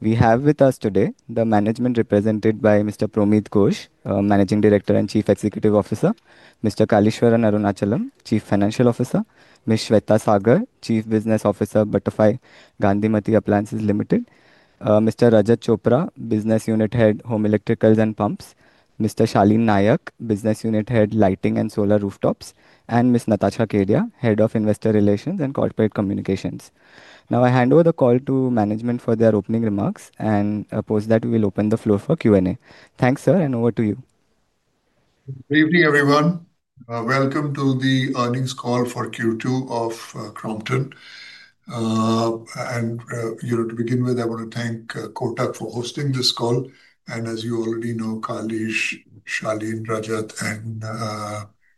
We have with us today the management represented by Mr. Promeet Ghosh, Managing Director and Chief Executive Officer; Mr. Kaleeswaran Arunachalam, Chief Financial Officer; Ms. Shweta Sagar, Chief Business Officer of Butterfly Gandhimathi Appliances Limited; Mr. Rajat Chopra, Business Unit Head of Home Electricals and Pumps; Mr. Shaleen Nayak, Business Unit Head of Lighting and Solar Rooftops; and Ms. Natasha Iria, Head of Investor Relations and Corporate Communications. Now I hand over the call to management for their opening remarks, and, post that we will open the floor for Q&A. Thanks, sir, and over to you. Good evening, everyone. Welcome to the earnings call for Q2 of Crompton. You know, to begin with, I want to thank Kotak for hosting this call. As you already know, Kaleeswaran, Shaleen, Rajat,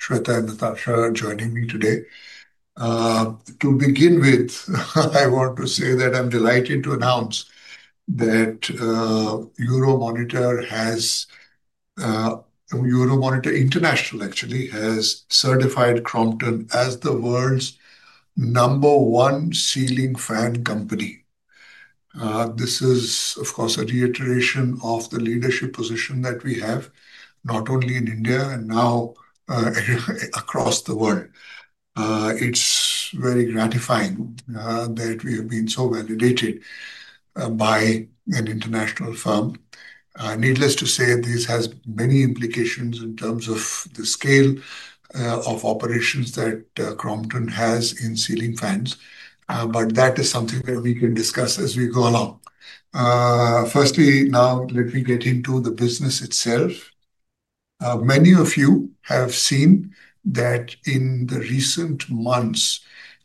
Shweta, and Natasha are joining me today. To begin with, I want to say that I'm delighted to announce that Euromonitor International actually has certified Crompton as the world's number one ceiling fan company. This is, of course, a reiteration of the leadership position that we have, not only in India and now, across the world. It's very gratifying that we have been so validated by an international firm. Needless to say, this has many implications in terms of the scale of operations that Crompton has in ceiling fans. That is something that we can discuss as we go along. Firstly, now let me get into the business itself. Many of you have seen that in the recent months,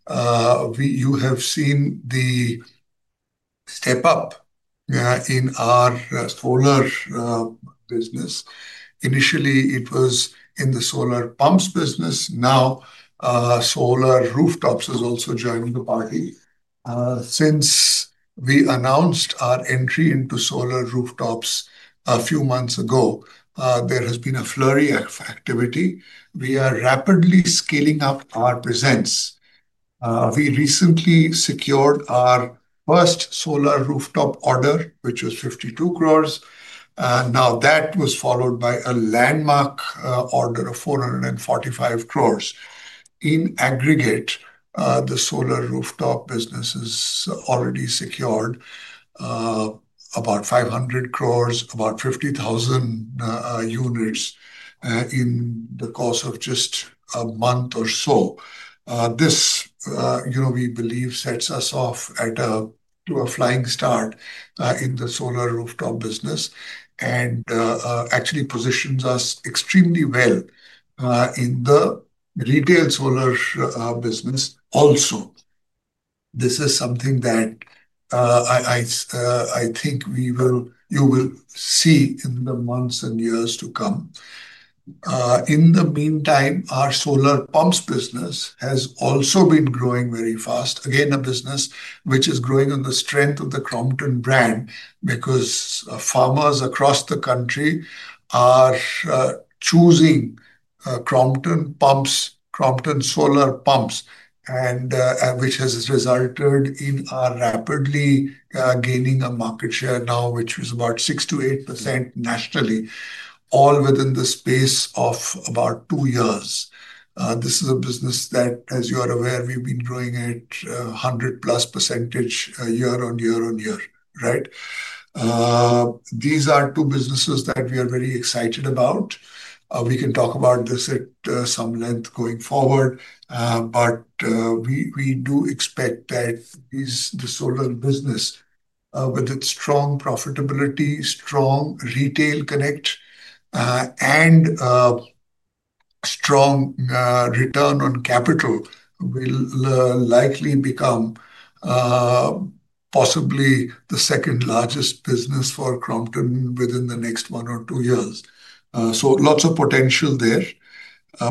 you have seen the step up in our solar business. Initially, it was in the solar pumps business. Now, solar rooftops is also joining the party. Since we announced our entry into solar rooftops a few months ago, there has been a flurry of activity. We are rapidly scaling up our presence. We recently secured our first solar rooftop order, which was 52 crore. Now that was followed by a landmark order of 445 crore. In aggregate, the solar rooftop business has already secured about 500 crore, about 50,000 units, in the course of just a month or so. This, you know, we believe sets us off to a flying start in the solar rooftop business and actually positions us extremely well in the retail solar business also. This is something that. I think you will see in the months and years to come. In the meantime, our solar pumps business has also been growing very fast. Again, a business which is growing on the strength of the Crompton brand because farmers across the country are choosing Crompton pumps, Crompton solar pumps, and which has resulted in our rapidly gaining a market share now, which was about 6%-8% nationally, all within the space of about two years. This is a business that, as you are aware, we've been growing at 100% + year-on-year, right? These are two businesses that we are very excited about. We can talk about this at some length going forward. We do expect that this is the solar business. With its strong profitability, strong retail connect, and strong return on capital, will likely become possibly the second largest business for Crompton within the next one or two years. Lots of potential there.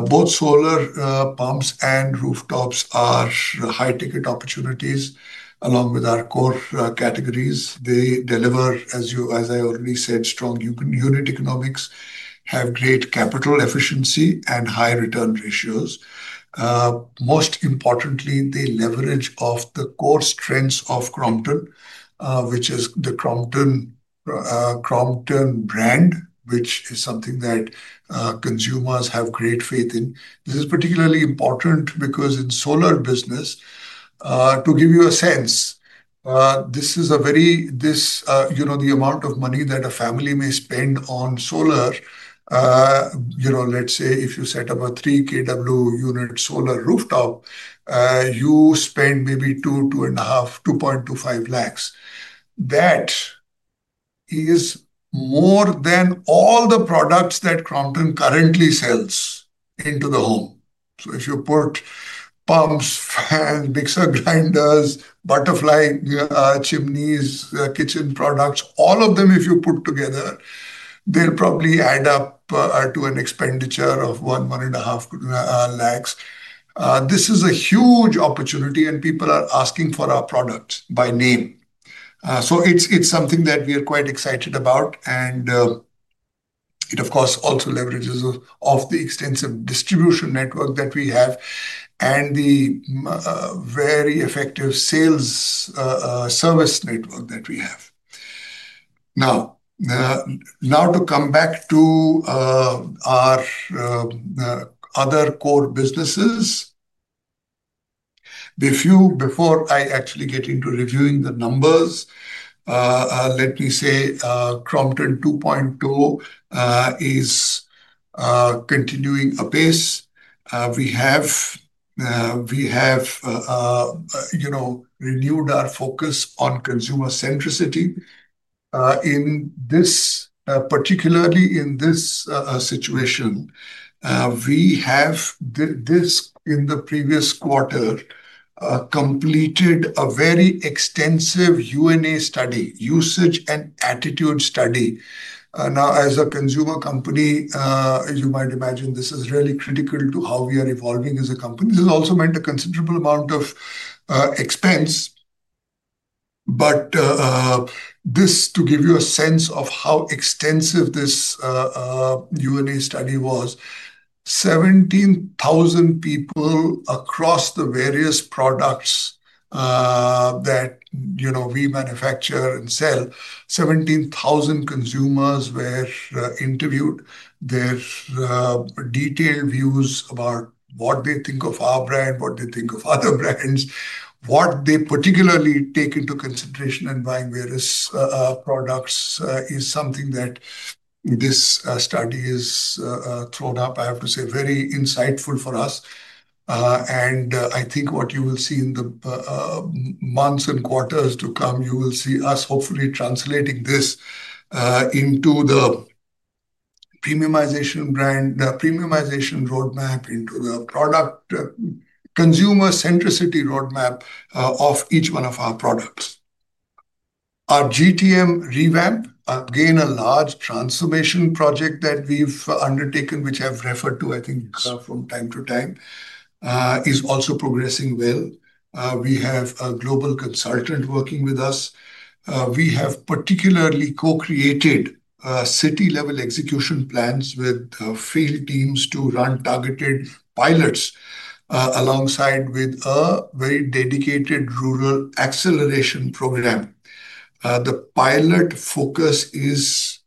Both solar pumps and rooftops are high-ticket opportunities along with our core categories. They deliver, as I already said, strong unit economics, have great capital efficiency, and high return ratios. Most importantly, the leverage of the core strengths of Crompton, which is the Crompton brand, which is something that consumers have great faith in. This is particularly important because in solar business, to give you a sense, this is a very, you know, the amount of money that a family may spend on solar, you know, let's say if you set up a 3 kW unit solar rooftop, you spend maybe 200,000-225,000. That. Is more than all the products that Crompton currently sells into the home. If you put pumps, fans, mixer grinders, Butterfly, chimneys, kitchen products, all of them, if you put together, they'll probably add up to an expenditure of one, one and a half lakhs. This is a huge opportunity, and people are asking for our products by name. It's something that we are quite excited about. It, of course, also leverages off the extensive distribution network that we have and the very effective sales, service network that we have. Now, to come back to our other core businesses, before I actually get into reviewing the numbers, let me say Crompton 2.2 is continuing apace. We have renewed our focus on consumer centricity, particularly in this situation. We have, in the previous quarter, completed a very extensive U&A study, usage and attitude study. Now, as a consumer company, as you might imagine, this is really critical to how we are evolving as a company. This has also meant a considerable amount of expense. To give you a sense of how extensive this U&A study was, 17,000 people across the various products that, you know, we manufacture and sell, 17,000 consumers were interviewed. Their detailed views about what they think of our brand, what they think of other brands, what they particularly take into consideration in buying various products, is something that this study has thrown up. I have to say, very insightful for us. I think what you will see in the months and quarters to come, you will see us hopefully translating this into the— Premiumization brand, premiumization roadmap, into the product, consumer centricity roadmap, of each one of our products. Our GTM revamp, again, a large transformation project that we've undertaken, which I've referred to, I think, from time to time, is also progressing well. We have a global consultant working with us. We have particularly co-created city-level execution plans with field teams to run targeted pilots, alongside with a very dedicated rural acceleration program. The pilot focus is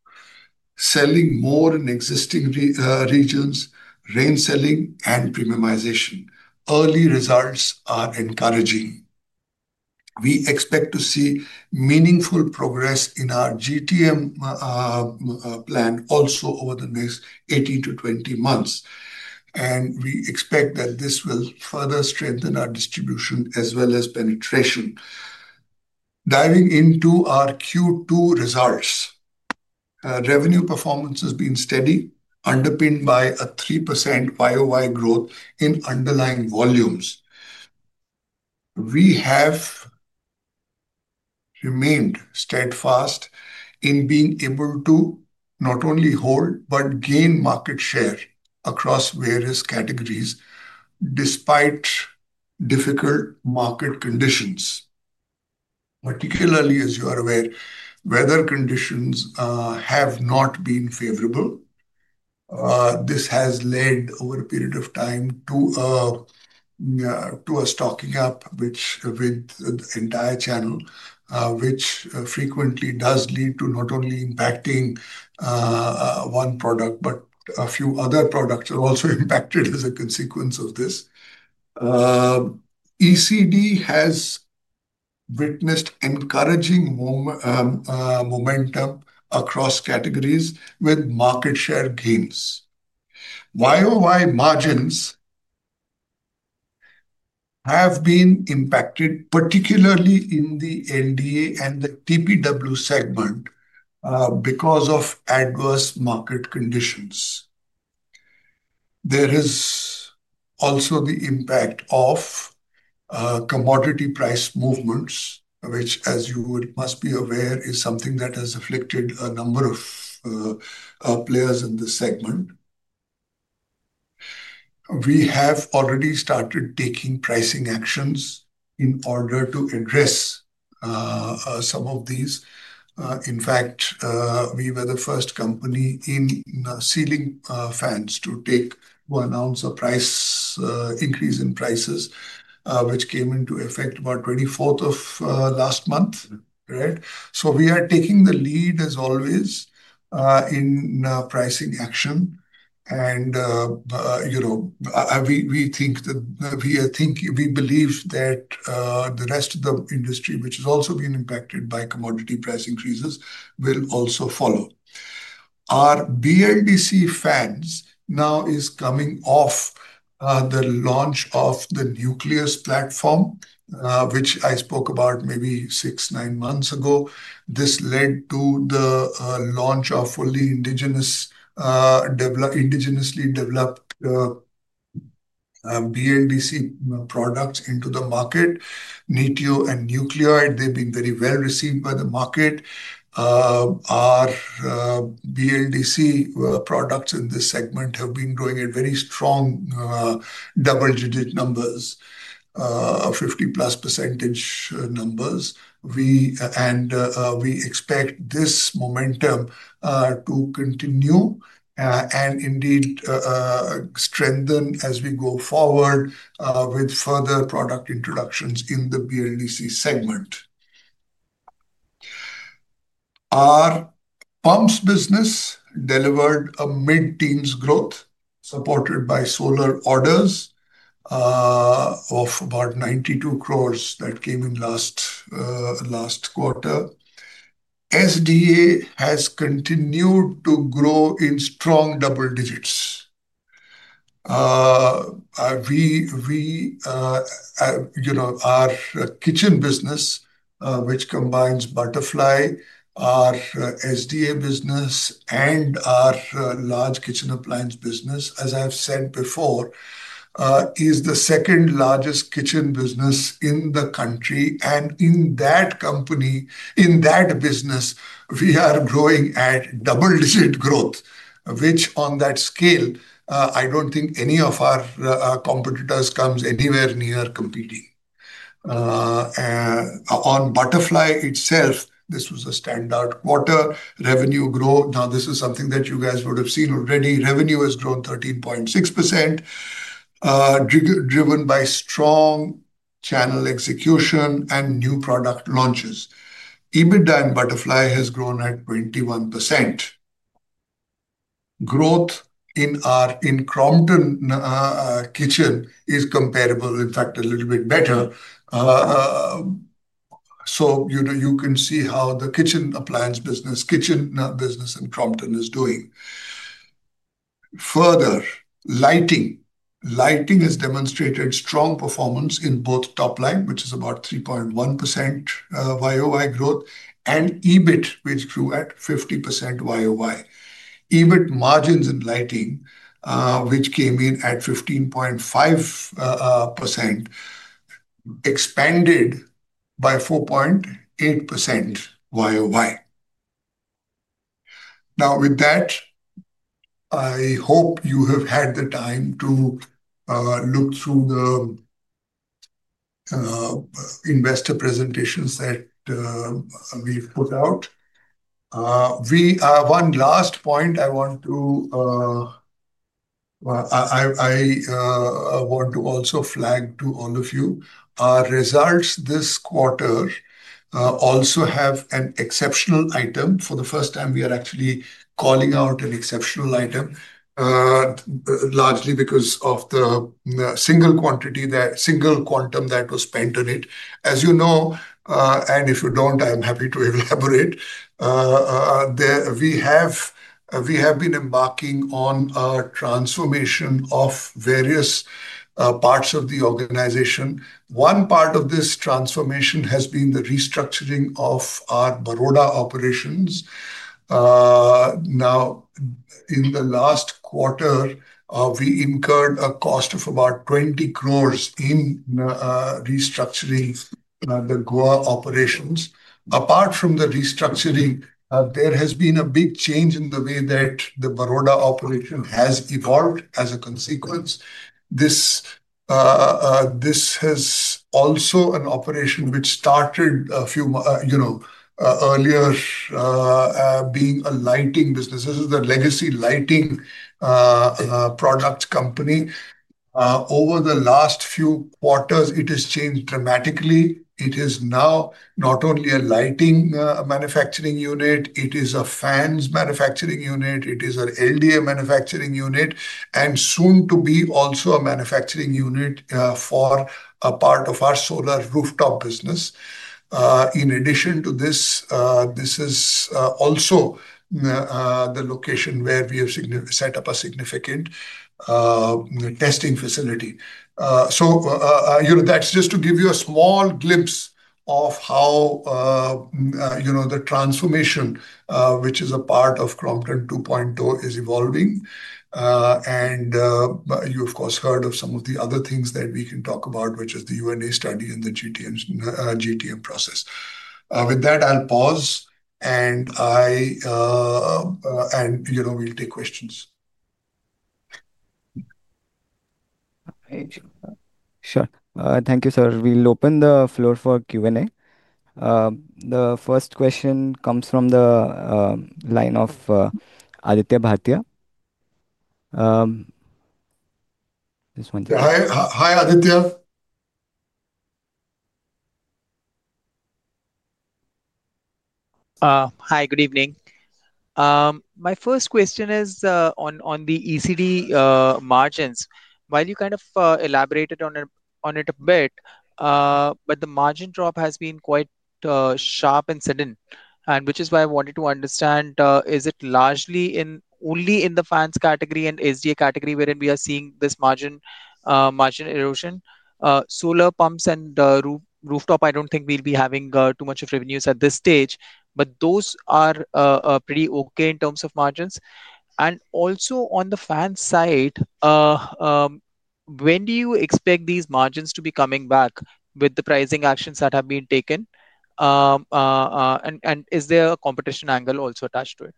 selling more in existing regions, retailing, and premiumization. Early results are encouraging. We expect to see meaningful progress in our GTM plan also over the next 18-20 months. We expect that this will further strengthen our distribution as well as penetration. Diving into our Q2 results, revenue performance has been steady, underpinned by a 3% YOY growth in underlying volumes. We have. Remained steadfast in being able to not only hold but gain market share across various categories despite difficult market conditions. Particularly, as you are aware, weather conditions have not been favorable. This has led over a period of time to a stocking up with the entire channel, which frequently does lead to not only impacting one product, but a few other products are also impacted as a consequence of this. ECD has witnessed encouraging momentum across categories with market share gains. Year-over-year margins have been impacted, particularly in the LDA and the TPW segment because of adverse market conditions. There is also the impact of commodity price movements, which, as you must be aware, is something that has afflicted a number of players in the segment. We have already started taking pricing actions in order to address some of these. In fact, we were the first company in ceiling fans to take one ounce of price increase in prices, which came into effect about 24th of last month, right? We are taking the lead as always in pricing action. You know, we think that, we are thinking, we believe that the rest of the industry, which has also been impacted by commodity price increases, will also follow. Our BLDC fans now is coming off the launch of the Nucleus platform, which I spoke about maybe six, nine months ago. This led to the launch of fully indigenously developed BLDC products into the market. Nitro and Nucleus, they've been very well received by the market. Our BLDC products in this segment have been growing at very strong double-digit numbers, 50+% numbers. We expect this momentum to continue, and indeed, strengthen as we go forward, with further product introductions in the BLDC segment. Our pumps business delivered a mid-teens growth supported by solar orders of about 92 crore that came in last quarter. SDA has continued to grow in strong double digits. You know, our kitchen business, which combines Butterfly, our SDA business, and our large kitchen appliance business, as I've said before, is the second largest kitchen business in the country. In that business, we are growing at double-digit growth, which on that scale, I don't think any of our competitors comes anywhere near competing. On Butterfly itself, this was a standout quarter revenue growth. Now, this is something that you guys would have seen already. Revenue has grown 13.6%, driven by strong channel execution and new product launches. EBITDA and Butterfly has grown at 21%. Growth in our, in Crompton, kitchen is comparable, in fact, a little bit better. So, you know, you can see how the kitchen appliance business, kitchen business in Crompton is doing. Further, lighting, lighting has demonstrated strong performance in both top line, which is about 3.1% YOY growth, and EBIT, which grew at 50% YOY. EBIT margins in lighting, which came in at 15.5%, expanded by 4.8% YOY. Now, with that, I hope you have had the time to look through the investor presentations that we've put out. We, one last point I want to, I want to also flag to all of you, our results this quarter also have an exceptional item. For the first time, we are actually calling out an exceptional item, largely because of the single quantity, that single quantum that was spent on it. As you know, and if you don't, I'm happy to elaborate, we have been embarking on a transformation of various parts of the organization. One part of this transformation has been the restructuring of our Vadodara operations. In the last quarter, we incurred a cost of about 20 crore in restructuring the Goa operations. Apart from the restructuring, there has been a big change in the way that the Vadodara operation has evolved as a consequence. This has also been an operation which started a few, you know, earlier, being a lighting business. This is the legacy lighting product company. Over the last few quarters, it has changed dramatically. It is now not only a lighting manufacturing unit, it is a fans manufacturing unit, it is an LDA manufacturing unit, and soon to be also a manufacturing unit for a part of our solar rooftop business. In addition to this, this is also the location where we have set up a significant testing facility. So, you know, that's just to give you a small glimpse of how, you know, the transformation, which is a part of Crompton 2.2, is evolving. And you, of course, heard of some of the other things that we can talk about, which is the U&A study and the GTM, GTM process. With that, I'll pause and I, and you know, we'll take questions. All right. Sure. Thank you, sir. We'll open the floor for Q&A. The first question comes from the line of Aditya Bhartiy. This one. Hi, hi, Aditya. Hi, good evening. My first question is on the ECD margins. While you kind of elaborated on it a bit, but the margin drop has been quite sharp and sudden, and which is why I wanted to understand, is it largely only in the fans category and SDA category wherein we are seeing this margin erosion? Solar pumps and rooftop, I do not think we will be having too much of revenues at this stage, but those are pretty okay in terms of margins. Also, on the fan side, when do you expect these margins to be coming back with the pricing actions that have been taken? Is there a competition angle also attached to it?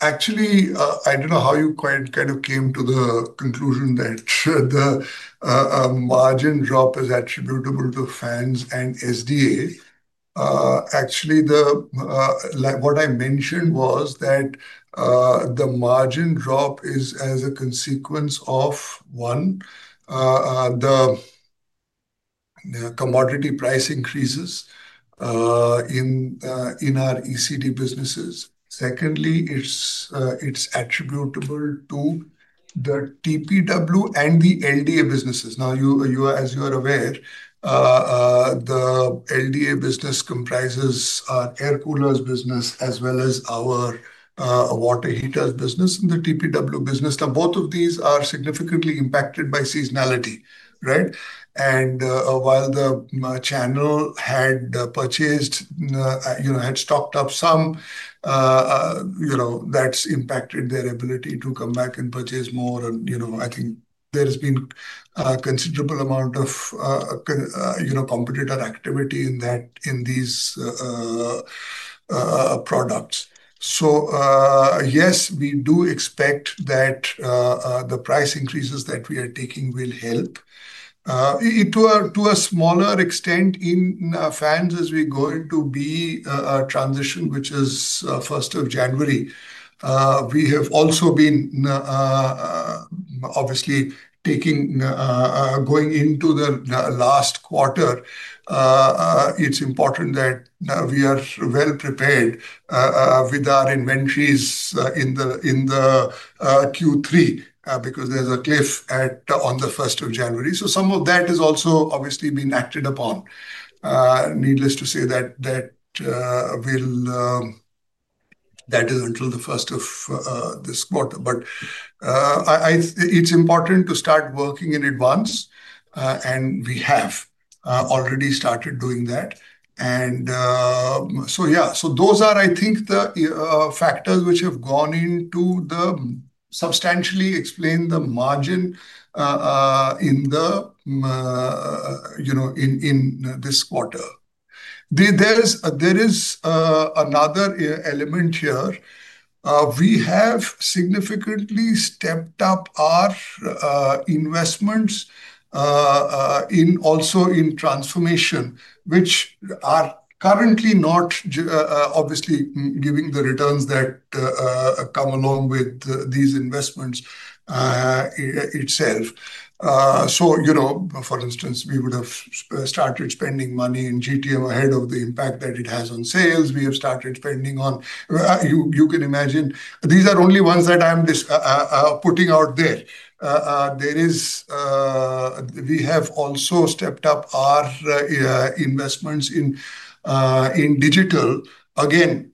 Actually, I do not know how you quite kind of came to the conclusion that the margin drop is attributable to fans and SDA. Actually, like what I mentioned was that. The margin drop is as a consequence of, one, the commodity price increases in our ECD businesses. Secondly, it's attributable to the TPW and the LDA businesses. Now, as you are aware, the LDA business comprises our air coolers business as well as our water heaters business and the TPW business. Both of these are significantly impacted by seasonality, right? While the channel had purchased, you know, had stocked up some, you know, that's impacted their ability to come back and purchase more. I think there has been a considerable amount of, you know, competitor activity in these products. Yes, we do expect that the price increases that we are taking will help to a smaller extent in fans as we go into the transition, which is 1st of January. We have also been, obviously, taking, going into the last quarter. It's important that we are well prepared with our inventories in Q3, because there's a cliff on the 1st of January. Some of that has also obviously been acted upon. Needless to say, that will, that is until the 1st of this quarter. I, I, it's important to start working in advance, and we have already started doing that. Yeah, those are, I think, the factors which have gone into the, substantially explain the margin in this quarter. There is another element here. We have significantly stepped up our investments, also in transformation, which are currently not obviously giving the returns that come along with these investments itself. So, you know, for instance, we would have started spending money in GTM ahead of the impact that it has on sales. We have started spending on, you can imagine these are only ones that I'm putting out there. There is, we have also stepped up our investments in digital. Again,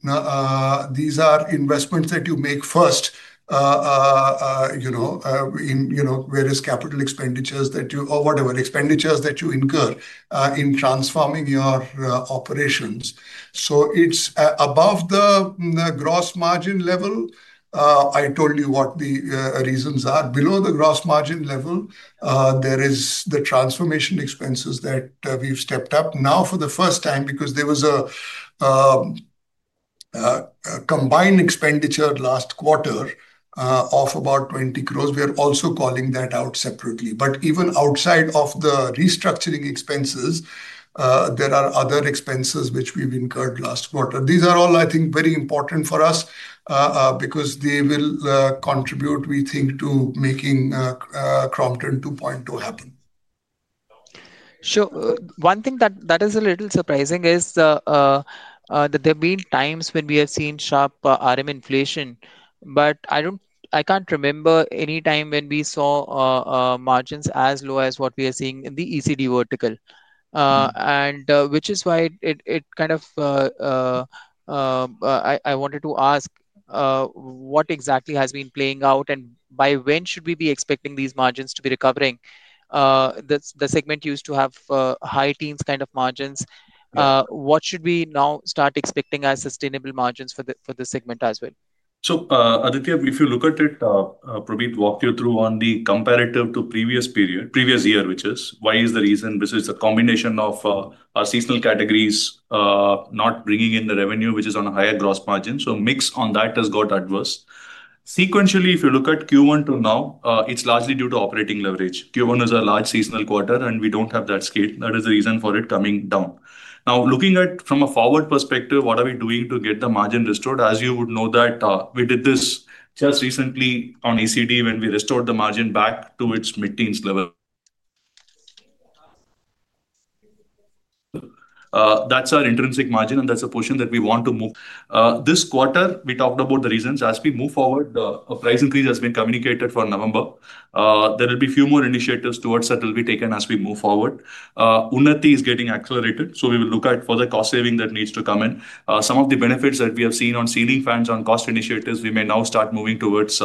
these are investments that you make first, you know, in various capital expenditures that you, or whatever expenditures that you incur, in transforming your operations. It is above the gross margin level. I told you what the reasons are. Below the gross margin level, there is the transformation expenses that we've stepped up now for the first time because there was a combined expenditure last quarter of about 20 crore. We are also calling that out separately. Even outside of the restructuring expenses, there are other expenses which we've incurred last quarter. These are all, I think, very important for us, because they will contribute, we think, to making Crompton 2.2 happen. Sure. One thing that is a little surprising is that there have been times when we have seen sharp RM inflation, but I don't, I can't remember any time when we saw margins as low as what we are seeing in the ECD vertical, and which is why it kind of, I wanted to ask, what exactly has been playing out and by when should we be expecting these margins to be recovering? The segment used to have high teens kind of margins. What should we now start expecting as sustainable margins for the segment as well? Aditya, if you look at it, Promeet walked you through on the comparative to previous period, previous year, which is why is the reason this is a combination of our seasonal categories not bringing in the revenue, which is on a higher gross margin. So mix on that has got adverse. Sequentially, if you look at Q1 to now, it's largely due to operating leverage. Q1 is a large seasonal quarter and we don't have that scale. That is the reason for it coming down. Now, looking at from a forward perspective, what are we doing to get the margin restored? As you would know that, we did this just recently on ECD when we restored the margin back to its mid-teens level. That's our intrinsic margin and that's a portion that we want to move. This quarter, we talked about the reasons. As we move forward, the price increase has been communicated for November. There will be a few more initiatives towards that will be taken as we move forward. Unity is getting accelerated, so we will look at further cost saving that needs to come in. Some of the benefits that we have seen on ceiling fans, on cost initiatives, we may now start moving towards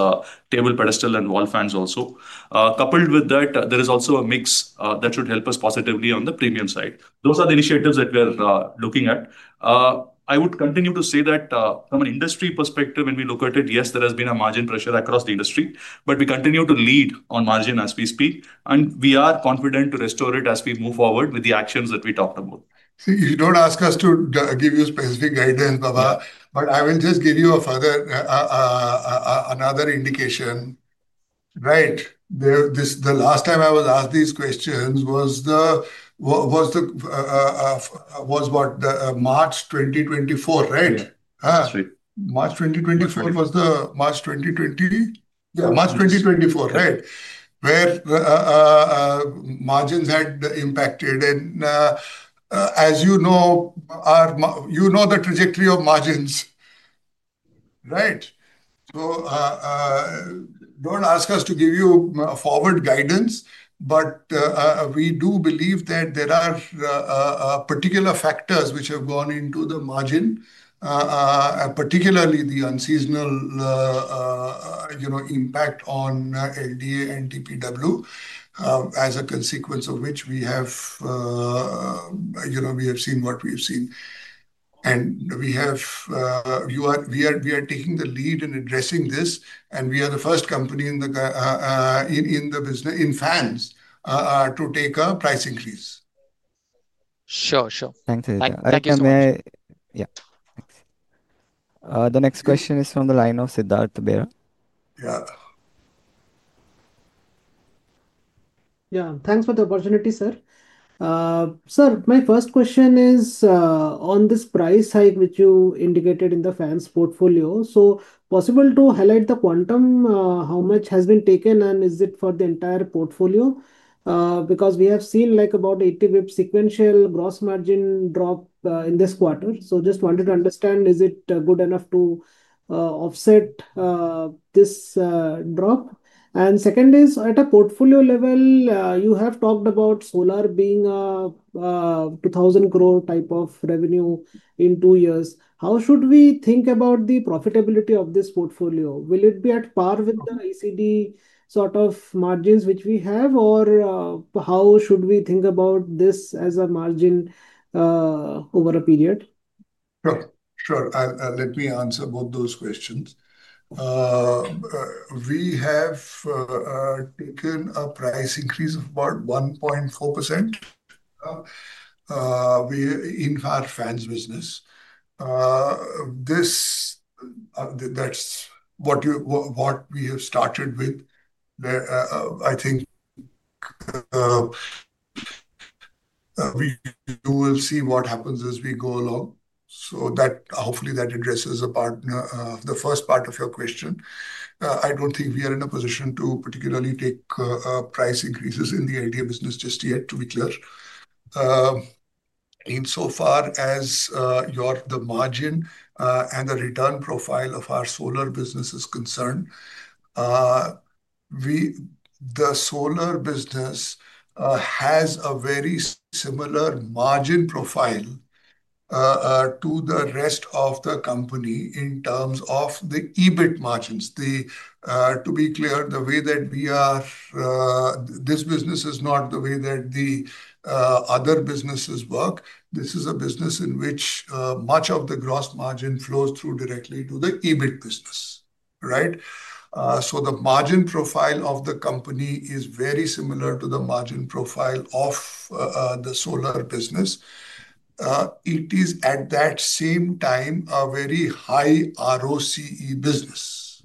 table, pedestal, and wall fans also. Coupled with that, there is also a mix that should help us positively on the premium side. Those are the initiatives that we are looking at. I would continue to say that, from an industry perspective, when we look at it, yes, there has been a margin pressure across the industry, but we continue to lead on margin as we speak, and we are confident to restore it as we move forward with the actions that we talked about. See, you don't ask us to give you specific guidance, Baba, but I will just give you a further, another indication. Right. The last time I was asked these questions was March 2024, right? March 2024, where margins had impacted and, as you know, our, you know, the trajectory of margins. Right. So, don't ask us to give you forward guidance, but we do believe that there are particular factors which have gone into the margin, particularly the unseasonal, you know, impact on LDA and TPW, as a consequence of which we have, you know, we have seen what we've seen. We are taking the lead in addressing this, and we are the first company in the business, in fans, to take a price increase. Sure. Thank you. Thank you, sir. The next question is from the line of Siddharth Bera. Yeah. Thanks for the opportunity, sir. Sir, my first question is on this price hike which you indicated in the fans portfolio. Possible to highlight the quantum, how much has been taken and is it for the entire portfolio? Because we have seen like about 80 basis points sequential gross margin drop in this quarter. Just wanted to understand, is it good enough to offset this drop? Second is at a portfolio level, you have talked about solar being a 2,000 crore type of revenue in two years. How should we think about the profitability of this portfolio? Will it be at par with the ECD sort of margins which we have, or, how should we think about this as a margin, over a period? Sure, sure. Let me answer both those questions. We have taken a price increase of about 1.4% in our fans business. That is what we have started with. There, I think we will see what happens as we go along. Hopefully that addresses the first part of your question. I do not think we are in a position to particularly take price increases in the LDA business just yet, to be clear. In so far as your margin and the return profile of our solar business is concerned, the solar business has a very similar margin profile. to the rest of the company in terms of the EBIT margins. To be clear, the way that we are, this business is not the way that the other businesses work. This is a business in which much of the gross margin flows through directly to the EBIT business. Right? So the margin profile of the company is very similar to the margin profile of the solar business. It is at that same time a very high ROCE business.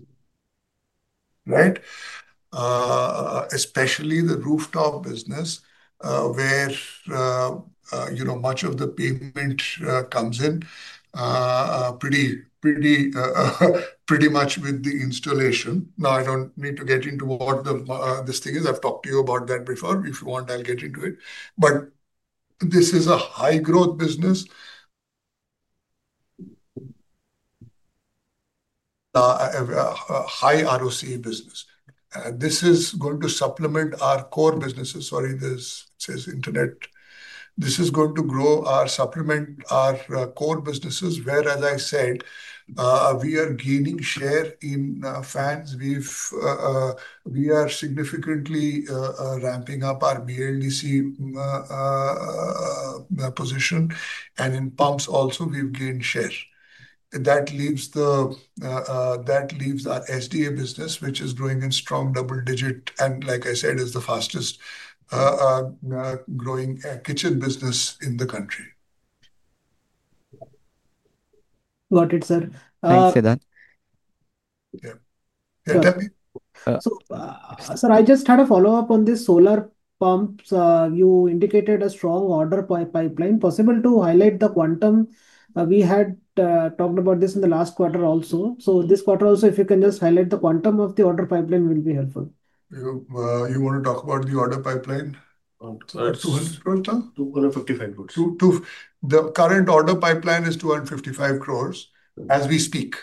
Right? Especially the rooftop business, where, you know, much of the payment comes in pretty much with the installation. Now, I don't need to get into what the, this thing is. I've talked to you about that before. If you want, I'll get into it. But this is a high growth business, high ROCE business. This is going to supplement our core businesses. Sorry, this says internet. This is going to grow our, supplement our core businesses, where, as I said, we are gaining share in fans. We've, we are significantly ramping up our BLDC position, and in pumps also, we've gained share. That leaves our SDA business, which is growing in strong double digit, and like I said, is the fastest growing kitchen business in the country. Got it, sir. Thanks, Siddharth. Yeah. Yeah, tell me. Sir, I just had a follow-up on this solar pumps. You indicated a strong order pipeline. Possible to highlight the quantum? We had talked about this in the last quarter also. This quarter also, if you can just highlight the quantum of the order pipeline, will be helpful. You want to talk about the order pipeline? 255 crore. The current order pipeline is 255 crore as we speak.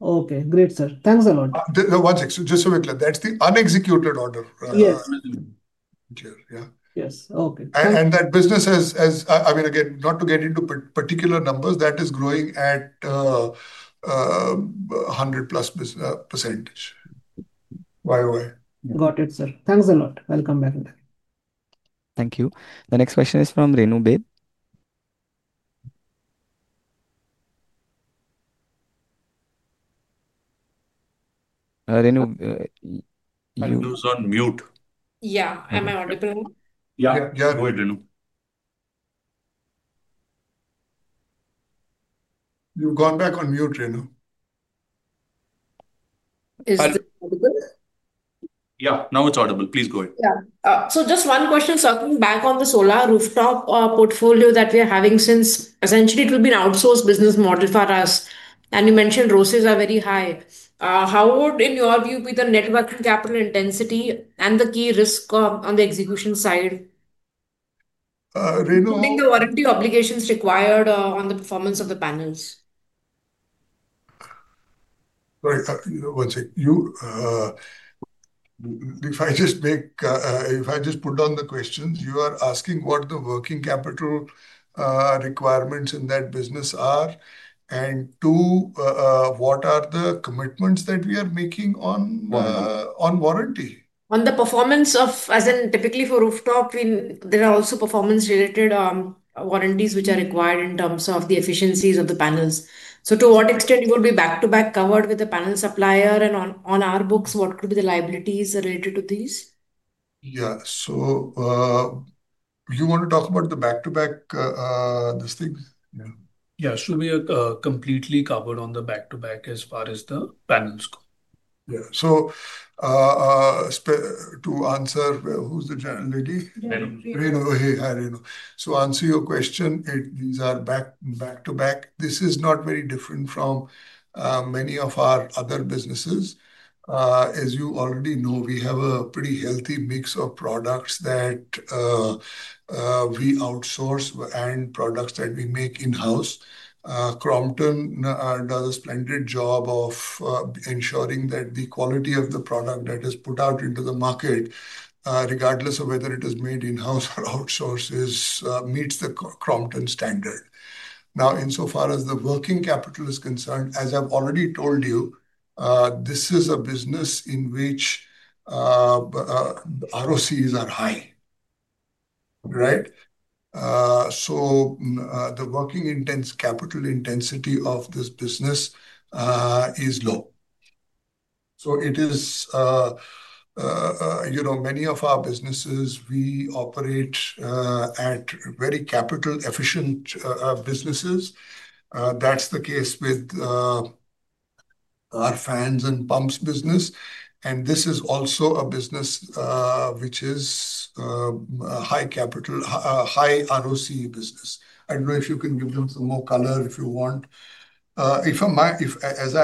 Okay, great, sir. Thanks a lot. One sec. Just a week later. That's the unexecuted order. Yeah. Yeah. Yes. Okay. And that business has, as I mean, again, not to get into particular numbers, that is growing at 100+%. Why? Why? Got it, sir. Thanks a lot. Welcome, Barenda. Thank you. The next question is from Renu Bhab. Renu. You. Are you on mute? Yeah. Am I audible? Yeah. Yeah. Go ahead, Renu. You've gone back on mute, Renu. Is it audible? Yeah. Now it's audible. Please go ahead. Yeah. Just one question. Circling back on the solar rooftop portfolio that we are having since, essentially, it will be an outsourced business model for us. And you mentioned ROCEs are very high. How would, in your view, be the networking capital intensity and the key risk on the execution side? Renu. I think the warranty obligations required on the performance of the panels. Right. One sec. If I just put down the questions, you are asking what the working capital requirements in that business are. And two, what are the commitments that we are making on warranty? On the performance of, as in typically for rooftop, there are also performance-related warranties which are required in terms of the efficiencies of the panels. To what extent you will be back-to-back covered with the panel supplier and on our books, what could be the liabilities related to these? Yeah. You want to talk about the back-to-back, this thing? Yeah. Should be completely covered on the back-to-back as far as the panels go. Yeah. To answer, who is the general lady? Renu. Renu. Hey, hi, Renu. To answer your question, these are back-to-back. This is not very different from many of our other businesses. As you already know, we have a pretty healthy mix of products that we outsource and products that we make in-house. Crompton does a splendid job of ensuring that the quality of the product that is put out into the market, regardless of whether it is made in-house or outsourced, meets the Crompton standard. Now, insofar as the working capital is concerned, as I've already told you, this is a business in which ROCEs are high, right? The capital intensity of this business is low. Many of our businesses, we operate at very capital-efficient businesses. That is the case with our fans and pumps business. This is also a business which is high ROCE. I don't know if you can give them some more color if you want. If I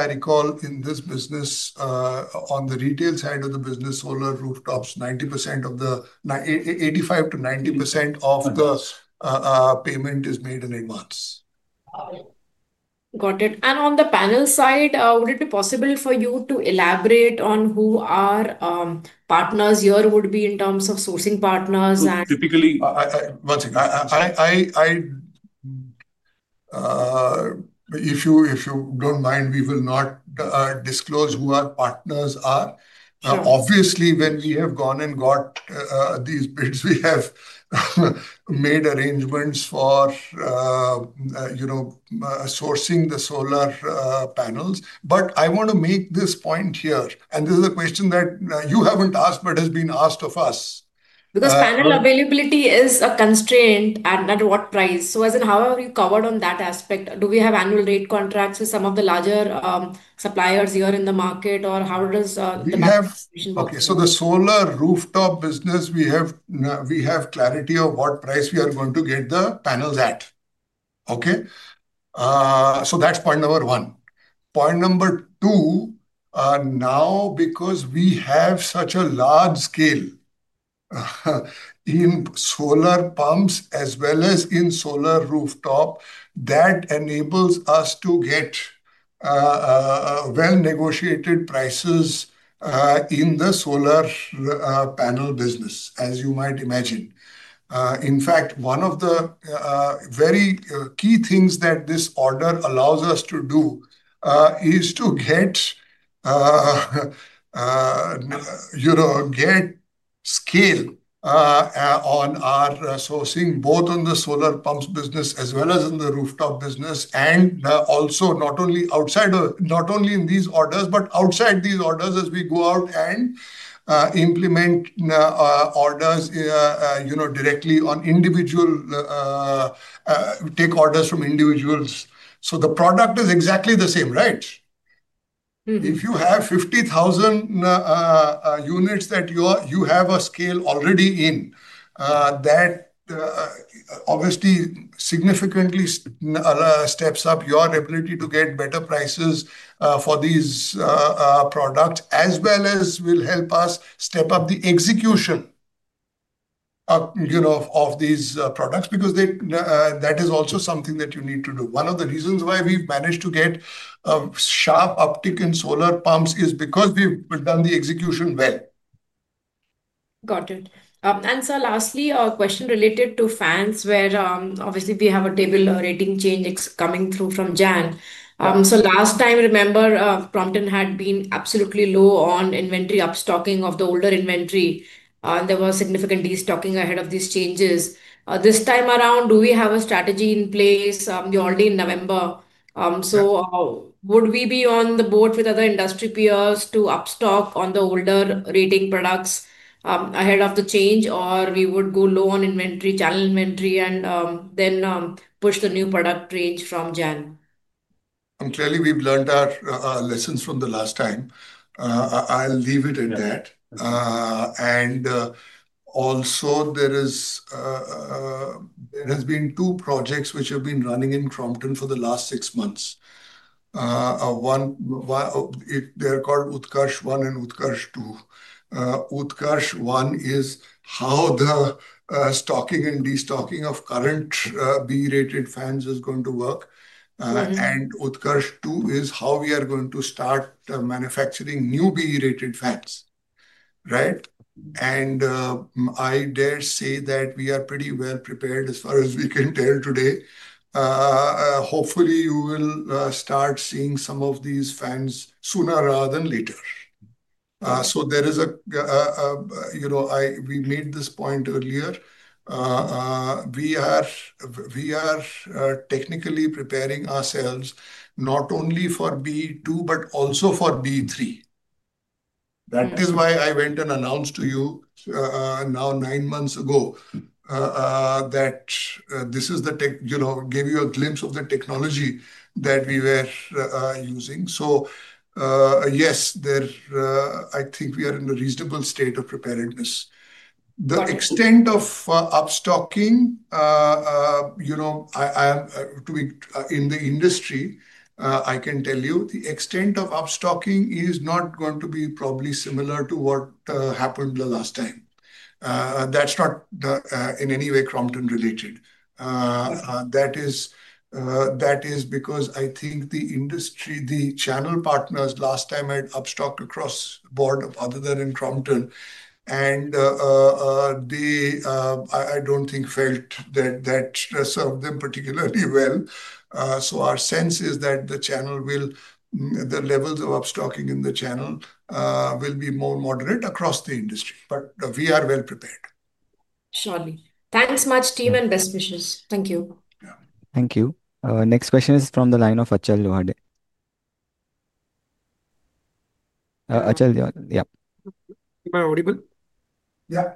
recall, in this business, on the retail side of the business, solar rooftops, 85%-90% of the payment is made in advance. Got it. On the panel side, would it be possible for you to elaborate on who our partners here would be in terms of sourcing partners? Typically, if you do not mind, we will not disclose who our partners are. Obviously, when we have gone and got these bids, we have made arrangements for sourcing the solar panels. I want to make this point here, and this is a question that you have not asked but has been asked of us. Because panel availability is a constraint at what price? As in, how have you covered on that aspect? Do we have annual rate contracts with some of the larger suppliers here in the market, or how does the. We have, okay, so the solar rooftop business, we have clarity of what price we are going to get the panels at. Okay? That's point number one. Point number two, now, because we have such a large scale in solar pumps as well as in solar rooftop, that enables us to get well-negotiated prices in the solar panel business, as you might imagine. In fact, one of the very key things that this order allows us to do is to get, you know, get. Scale, on our sourcing, both on the solar pumps business as well as in the rooftop business, and also not only outside, not only in these orders, but outside these orders as we go out and implement orders, you know, directly on individual, take orders from individuals. So the product is exactly the same, right? If you have 50,000 units that you are, you have a scale already in, that obviously significantly steps up your ability to get better prices for these products, as well as will help us step up the execution, you know, of these products, because that is also something that you need to do. One of the reasons why we've managed to get a sharp uptick in solar pumps is because we've done the execution well. Got it. Sir, lastly, a question related to fans, where, obviously we have a table rating change coming through from January. Last time, remember, Crompton had been absolutely low on inventory upstocking of the older inventory, and there was significant de-stocking ahead of these changes. This time around, do we have a strategy in place? You're already in November. Would we be on the board with other industry peers to upstock on the older rating products ahead of the change, or would we go low on inventory, channel inventory, and then push the new product range from January? Clearly, we've learned our lessons from the last time. I'll leave it at that. Also, there have been two projects which have been running in Crompton for the last six months. One, why they are called Utkarsh One and Utkarsh Two. Utkarsh One is how the stocking and de-stocking of current B-rated fans is going to work. Utkarsh Two is how we are going to start manufacturing new B-rated fans. Right? I dare say that we are pretty well prepared as far as we can tell today. Hopefully you will start seeing some of these fans sooner rather than later. There is a, you know, I, we made this point earlier. We are technically preparing ourselves not only for B2, but also for B3. That is why I went and announced to you, now nine months ago, that this is the tech, you know, gave you a glimpse of the technology that we were using. Yes, I think we are in a reasonable state of preparedness. The extent of upstocking, you know, I am, to be in the industry, I can tell you the extent of upstocking is not going to be probably similar to what happened the last time. That is not, in any way, Crompton related. That is because I think the industry, the channel partners last time had upstock across board other than in Crompton. I do not think they felt that served them particularly well. Our sense is that the channel, the levels of upstocking in the channel, will be more moderate across the industry, but we are well prepared. Surely. Thanks much, team, and best wishes. Thank you. Yeah. Thank you. Next question is from the line of Achal Johade. Achal Johade. Yeah. Am I audible? Yeah.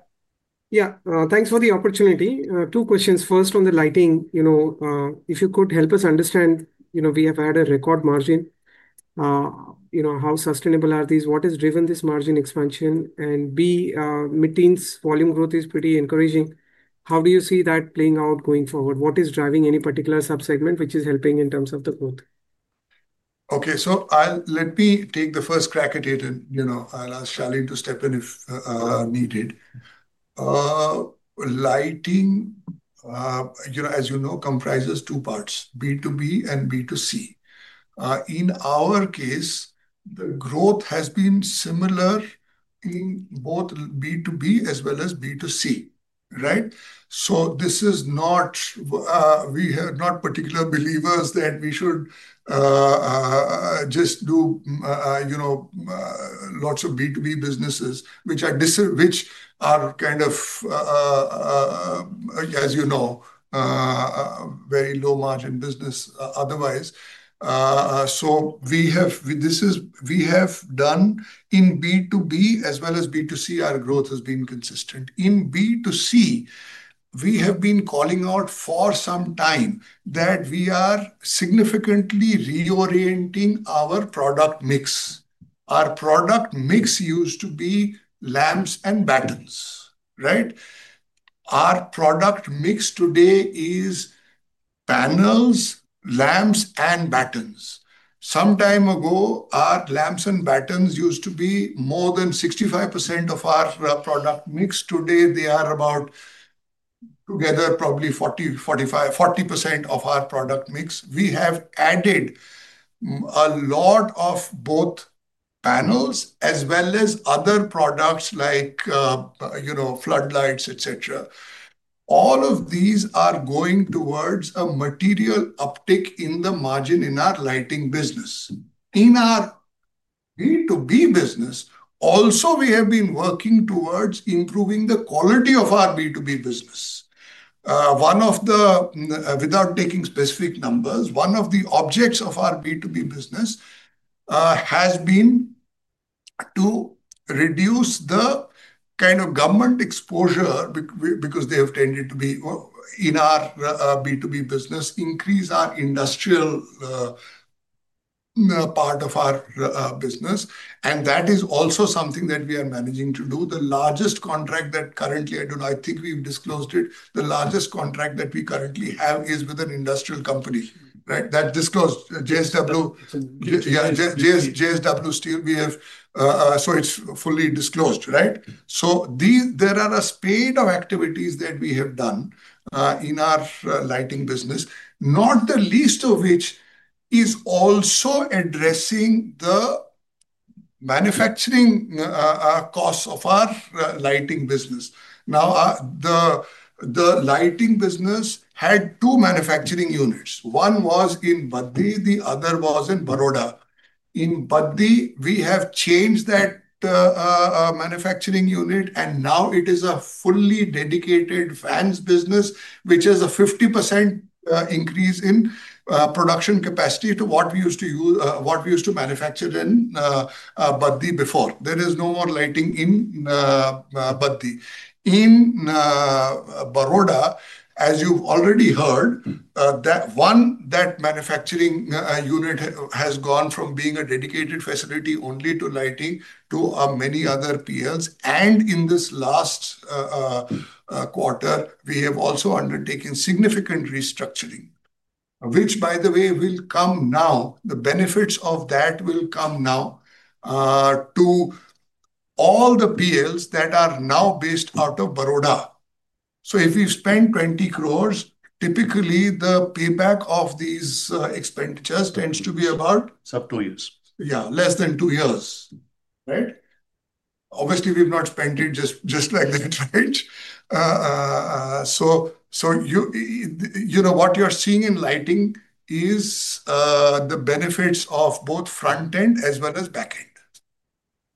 Yeah. Thanks for the opportunity. Two questions. First, on the lighting, you know, if you could help us understand, you know, we have had a record margin. You know, how sustainable are these? What has driven this margin expansion? B, mittens volume growth is pretty encouraging. How do you see that playing out going forward? What is driving, any particular subsegment which is helping in terms of the growth? Okay, so let me take the first crack at it, and you know, I'll ask Shaleen to step in if needed. Lighting, you know, as you know, comprises two parts, B2B and B2C. In our case, the growth has been similar in both B2B as well as B2C, right? This is not, we are not particular believers that we should just do, you know, lots of B2B businesses, which are, which are kind of, as you know, very low margin business otherwise. We have done this in B2B as well as B2C. Our growth has been consistent. In B2C, we have been calling out for some time that we are significantly reorienting our product mix. Our product mix used to be lamps and batten, right? Our product mix today is panels, lamps, and batten. Some time ago, our lamps and batten used to be more than 65% of our product mix. Today, they are together probably 40%-45%, 40% of our product mix. We have added a lot of both panels as well as other products like, you know, floodlights, et cetera. All of these are going towards a material uptick in the margin in our lighting business. In our B2B business, also, we have been working towards improving the quality of our B2B business. One of the, without taking specific numbers, one of the objects of our B2B business has been to reduce the kind of government exposure because they have tended to be in our B2B business, increase our industrial part of our business. That is also something that we are managing to do. The largest contract that currently, I do not, I think we've disclosed it. The largest contract that we currently have is with an industrial company, right? That disclosed JSW. Yeah, JSW Steel. We have, so it's fully disclosed, right? There are a spate of activities that we have done in our lighting business, not the least of which is also addressing the manufacturing costs of our lighting business. Now, the lighting business had two manufacturing units. One was in Baddi, the other was in Vadodara. In Baddi, we have changed that manufacturing unit, and now it is a fully dedicated fans business, which is a 50% increase in production capacity to what we used to manufacture in Baddi before. There is no more lighting in Baddi. In Baroda, as you've already heard, that manufacturing unit has gone from being a dedicated facility only to lighting to many other PLs. In this last quarter, we have also undertaken significant restructuring, which, by the way, will come now. The benefits of that will come now to all the PLs that are now based out of Baroda. If we've spent 20 crore, typically the payback of these expenditures tends to be about sub two years. Yeah, less than two years, right? Obviously, we've not spent it just like that, right? So, you know, what you're seeing in lighting is the benefits of both front end as well as back end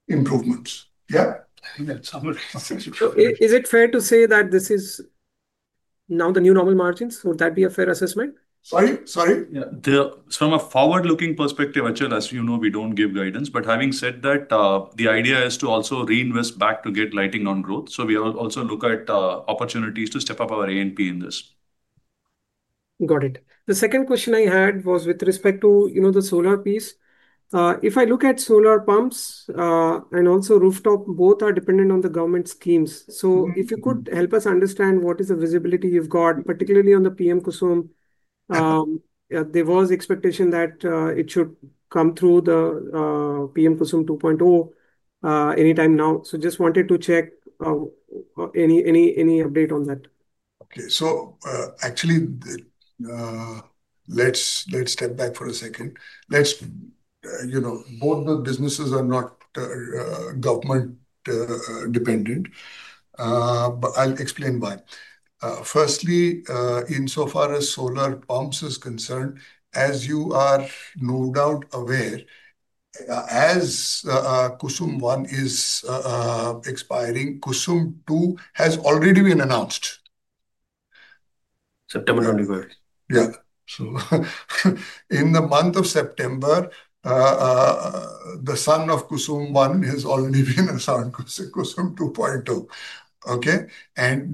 improvements. Yeah. I think that's somewhere. Is it fair to say that this is now the new normal margins? Would that be a fair assessment? Sorry, sorry. From a forward-looking perspective, Achal, as you know, we don't give guidance. Having said that, the idea is to also reinvest back to get lighting on growth. We also look at opportunities to step up our A&P in this. Got it. The second question I had was with respect to, you know, the solar piece. If I look at solar pumps, and also rooftop, both are dependent on the government schemes. If you could help us understand what is the visibility you've got, particularly on the PM KUSUM. There was expectation that it should come through the PM KUSUM 2.0 anytime now. Just wanted to check, any update on that. Okay. Actually, let's step back for a second. Let's, you know, both the businesses are not government dependent, but I'll explain why. Firstly, insofar as solar pumps is concerned, as you are no doubt aware, as KUSUM 1 is expiring, KUSUM 2 has already been announced. September 2024. Yeah. In the month of September, the son of KUSUM 1 has already been announced, KUSUM 2.0.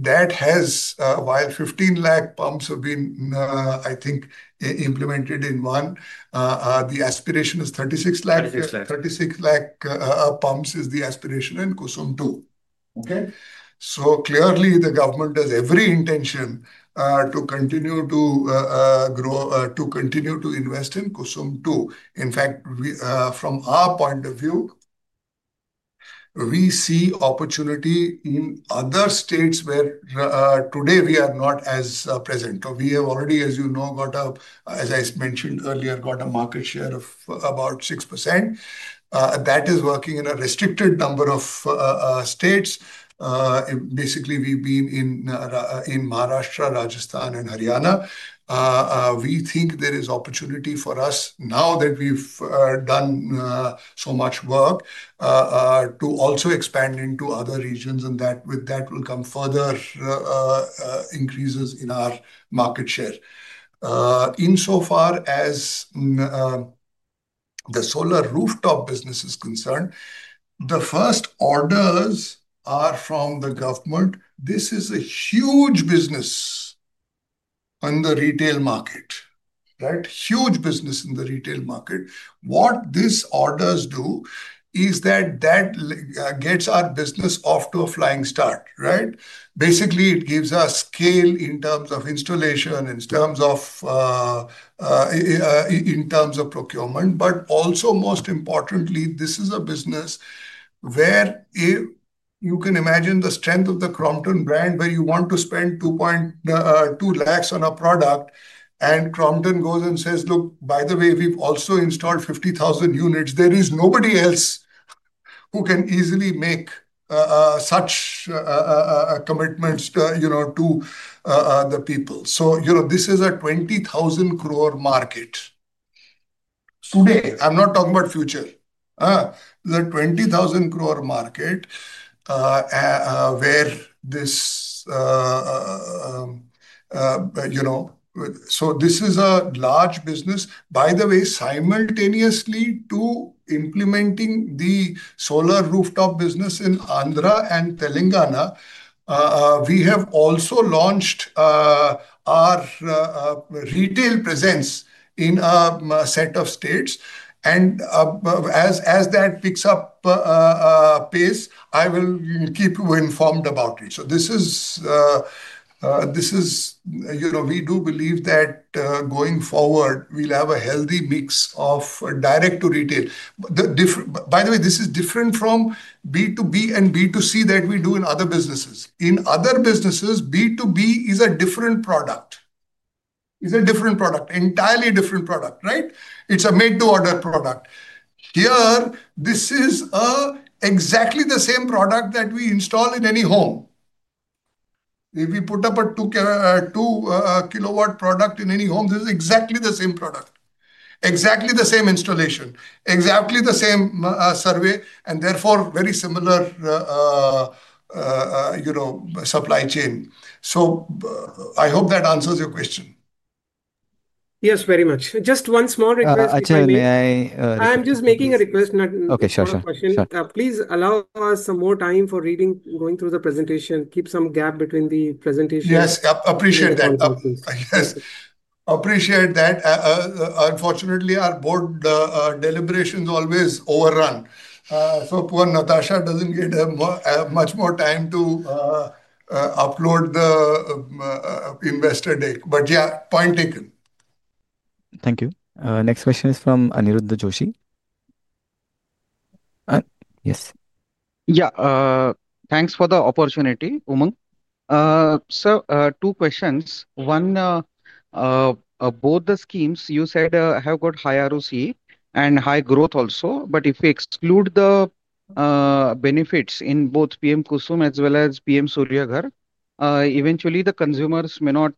That has, while 1.5 million pumps have been, I think, implemented in 1, the aspiration is 3.6 million. 3.6 million pumps is the aspiration in KUSUM 2. Clearly, the government has every intention to continue to grow, to continue to invest in KUSUM 2. In fact, we, from our point of view. We see opportunity in other states where, today we are not as present. We have already, as you know, got a, as I mentioned earlier, got a market share of about 6%. That is working in a restricted number of states. Basically, we have been in Maharashtra, Rajasthan, and Haryana. We think there is opportunity for us now that we have done so much work to also expand into other regions, and with that will come further increases in our market share. Insofar as the solar rooftop business is concerned, the first orders are from the government. This is a huge business in the retail market, right? Huge business in the retail market. What these orders do is that gets our business off to a flying start, right? Basically, it gives us scale in terms of installation, in terms of procurement, but also most importantly, this is a business. Where if you can imagine the strength of the Crompton brand, where you want to spend 220,000 on a product and Crompton goes and says, look, by the way, we've also installed 50,000 units. There is nobody else who can easily make such commitments, you know, to the people. You know, this is a 20 billion market. Today, I'm not talking about future. The 20 billion market, where this, you know, so this is a large business. By the way, simultaneously to implementing the solar rooftop business in Andhra Pradesh and Telangana, we have also launched our retail presence in a set of states. As that picks up pace, I will keep you informed about it. This is, you know, we do believe that, going forward, we'll have a healthy mix of direct to retail. By the way, this is different from B2B and B2C that we do in other businesses. In other businesses, B2B is a different product. It's a different product, entirely different product, right? It's a made-to-order product. Here, this is exactly the same product that we install in any home. If we put up a two kilowatt product in any home, this is exactly the same product. Exactly the same installation, exactly the same survey, and therefore very similar, you know, supply chain. I hope that answers your question. Yes, very much. Just one small request. Achal, may I? I'm just making a request. Okay, sure, sure. Please allow us some more time for reading, going through the presentation. Keep some gap between the presentation. Yes, appreciate that. Unfortunately, our board deliberations always overrun, so poor Natasha doesn't get much more time to upload the investor deck. Yeah, point taken. Thank you. Next question is from Aniruddh Joshi. Yes. Yeah, thanks for the opportunity, Umang. Two questions. One, both the schemes, you said, have got high ROC and high growth also, but if we exclude the benefits in both PM KUSUM as well as PM Surya Ghar, eventually the consumers may not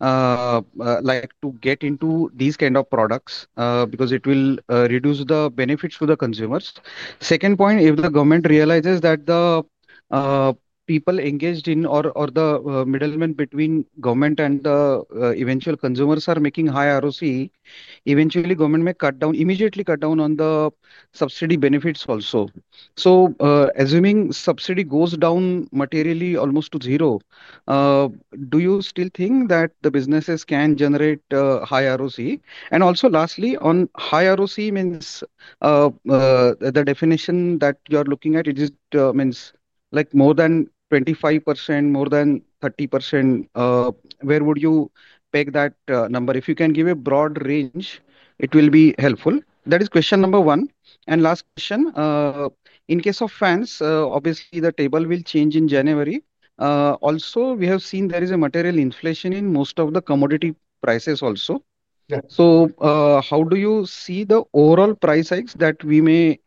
like to get into these kind of products, because it will reduce the benefits to the consumers. Second point, if the government realizes that the people engaged in, or the middlemen between government and the eventual consumers are making high ROC, eventually government may cut down, immediately cut down on the subsidy benefits also. Assuming subsidy goes down materially almost to zero, do you still think that the businesses can generate high ROC? Also, lastly, on high ROC, the definition that you are looking at, it means like more than 25%, more than 30%. Where would you peg that number? If you can give a broad range, it will be helpful. That is question number one. Last question, in case of fans, obviously the table will change in January. Also, we have seen there is a material inflation in most of the commodity prices also. Yeah. How do you see the overall price hikes that we may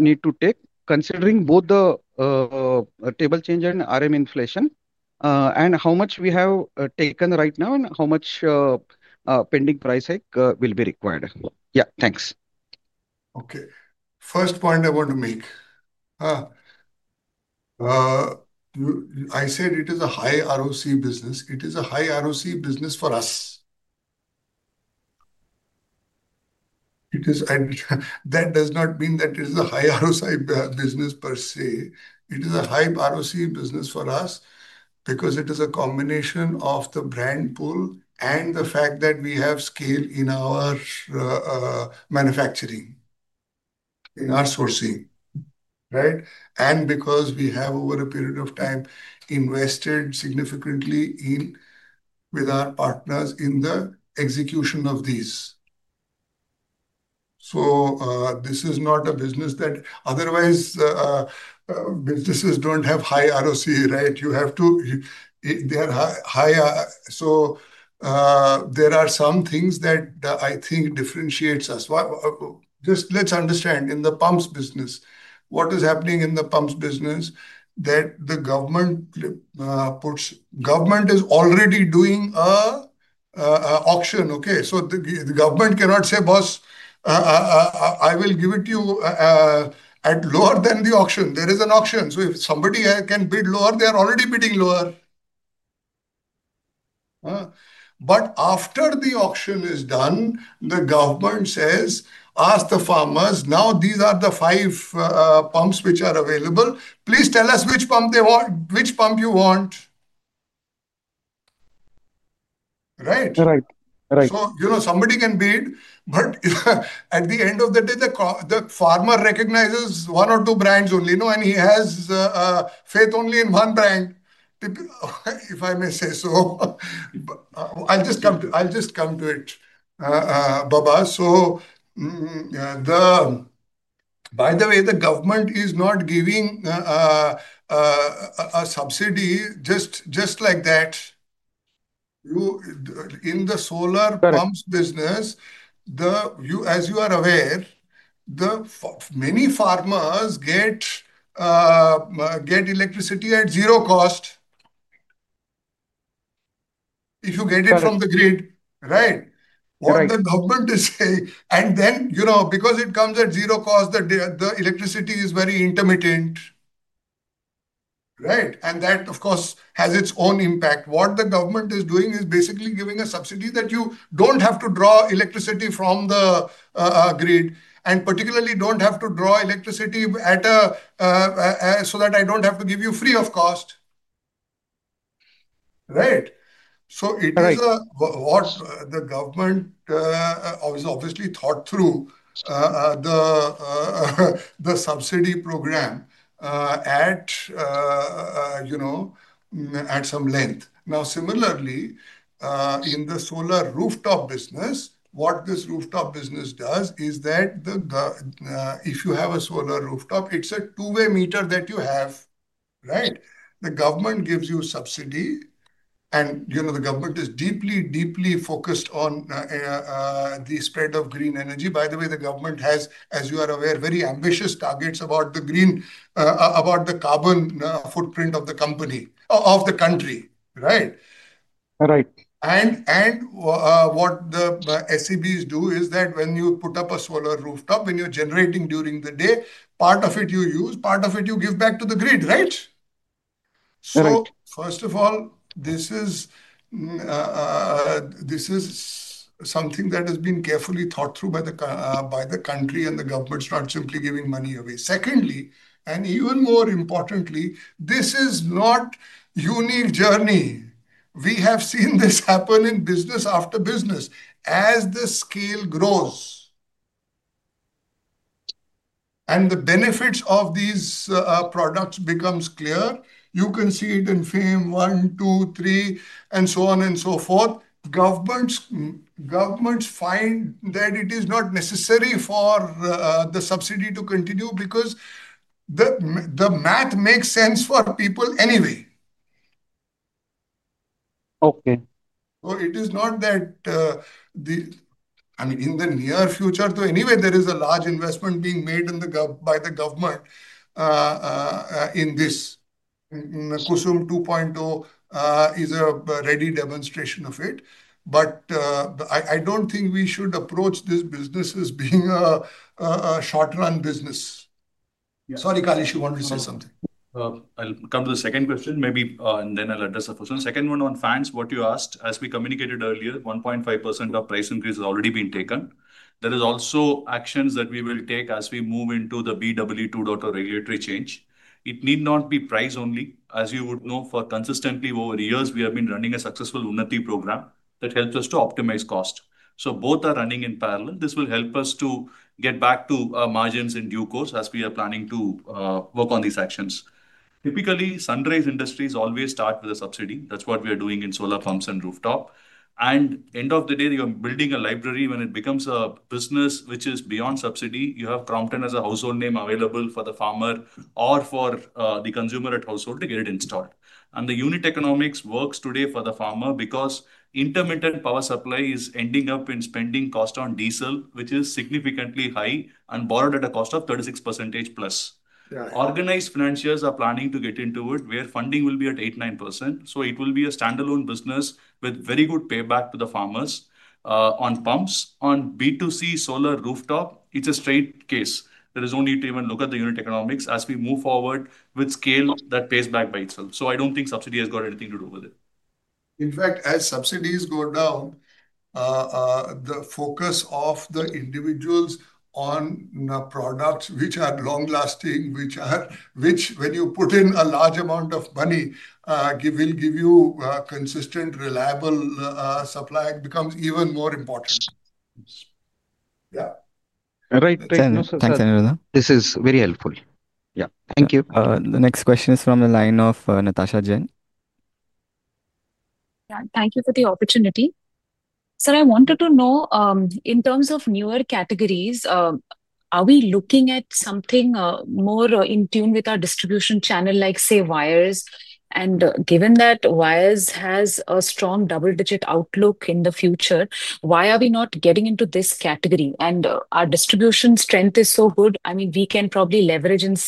need to take considering both the table change and RM inflation? How much have we taken right now and how much pending price hike will be required? Yeah, thanks. Okay. First point I want to make. I said it is a high ROCE business. It is a high ROCE business for us. It is, and that does not mean that it is a high ROCE business per se. It is a high ROCE business for us because it is a combination of the brand pull and the fact that we have scale in our manufacturing, in our sourcing, right? And because we have over a period of time invested significantly in, with our partners in the execution of these. This is not a business that otherwise, businesses do not have high ROCE, right? You have to, they are high, high, so, there are some things that I think differentiate us. What, just let's understand in the pumps business, what is happening in the pumps business that the government puts, government is already doing an auction. Okay. The government cannot say, boss, I will give it to you at lower than the auction. There is an auction. If somebody can bid lower, they are already bidding lower. Huh. After the auction is done, the government says, ask the farmers, now these are the five pumps which are available. Please tell us which pump they want, which pump you want. Right? Right. Right. Somebody can bid, but at the end of the day, the farmer recognizes one or two brands only, you know, and he has faith only in one brand, if I may say so. I'll just come to it, Baba. By the way, the government is not giving a subsidy just like that. You, in the solar pumps business. As you are aware, many farmers get electricity at zero cost if you get it from the grid, right? What the government is saying, because it comes at zero cost, the electricity is very intermittent, right? That, of course, has its own impact. What the government is doing is basically giving a subsidy that you do not have to draw electricity from the grid, and particularly do not have to draw electricity so that they do not have to give you free of cost, right? It is what the government obviously thought through, the subsidy program, at some length. Now, similarly, in the solar rooftop business, what this rooftop business does is that if you have a solar rooftop, it is a two-way meter that you have, right? The government gives you subsidy. You know, the government is deeply, deeply focused on the spread of green energy. By the way, the government has, as you are aware, very ambitious targets about the green, about the carbon footprint of the country, right? Right. What the SEBs do is that when you put up a solar rooftop, when you're generating during the day, part of it you use, part of it you give back to the grid, right? First of all, this is something that has been carefully thought through by the country, and the government's not simply giving money away. Secondly, and even more importantly, this is not a unique journey. We have seen this happen in business after business as the scale grows and the benefits of these products become clear. You can see it in FAME 1, 2, 3, and so on and so forth. Governments find that it is not necessary for the subsidy to continue because the math makes sense for people anyway. Okay. It is not that, I mean, in the near future, anyway, there is a large investment being made by the government in this. Kusum 2.0 is a ready demonstration of it. I do not think we should approach this business as being a short run business. Yeah. Sorry, Kaleeswaran, you wanted to say something. I'll come to the second question, maybe, and then I'll address the first one. Second one on fans, what you asked, as we communicated earlier, 1.5% of price increase has already been taken. There are also actions that we will take as we move into the BW2.0 regulatory change. It need not be price only, as you would know, for consistently over years, we have been running a successful UNMT program that helps us to optimize cost. Both are running in parallel. This will help us to get back to our margins in due course as we are planning to work on these actions. Typically, sunrise industries always start with a subsidy. That is what we are doing in solar pumps and rooftop. End of the day, you are building a library when it becomes a business which is beyond subsidy. You have Crompton as a household name available for the farmer or for the consumer at household to get it installed. The unit economics works today for the farmer because intermittent power supply is ending up in spending cost on diesel, which is significantly high and borrowed at a cost of 36%+. Yeah. Organized financiers are planning to get into it where funding will be at 8%-9%. It will be a standalone business with very good payback to the farmers, on pumps. On B2C solar rooftop, it's a straight case. There is no need to even look at the unit economics as we move forward with scale that pays back by itself. I don't think subsidy has got anything to do with it. In fact, as subsidies go down, the focus of the individuals on products which are long lasting, which are, which when you put in a large amount of money, will give you consistent, reliable supply becomes even more important. Yeah. Right. Thanks. Thanks, Aniruddh. This is very helpful. Yeah. Thank you. The next question is from the line of Natasha Kedia. Yeah. Thank you for the opportunity. Sir, I wanted to know, in terms of newer categories, are we looking at something, more in tune with our distribution channel, like say wires? And given that wires has a strong double-digit outlook in the future, why are we not getting into this category? And our distribution strength is so good. I mean, we can probably leverage and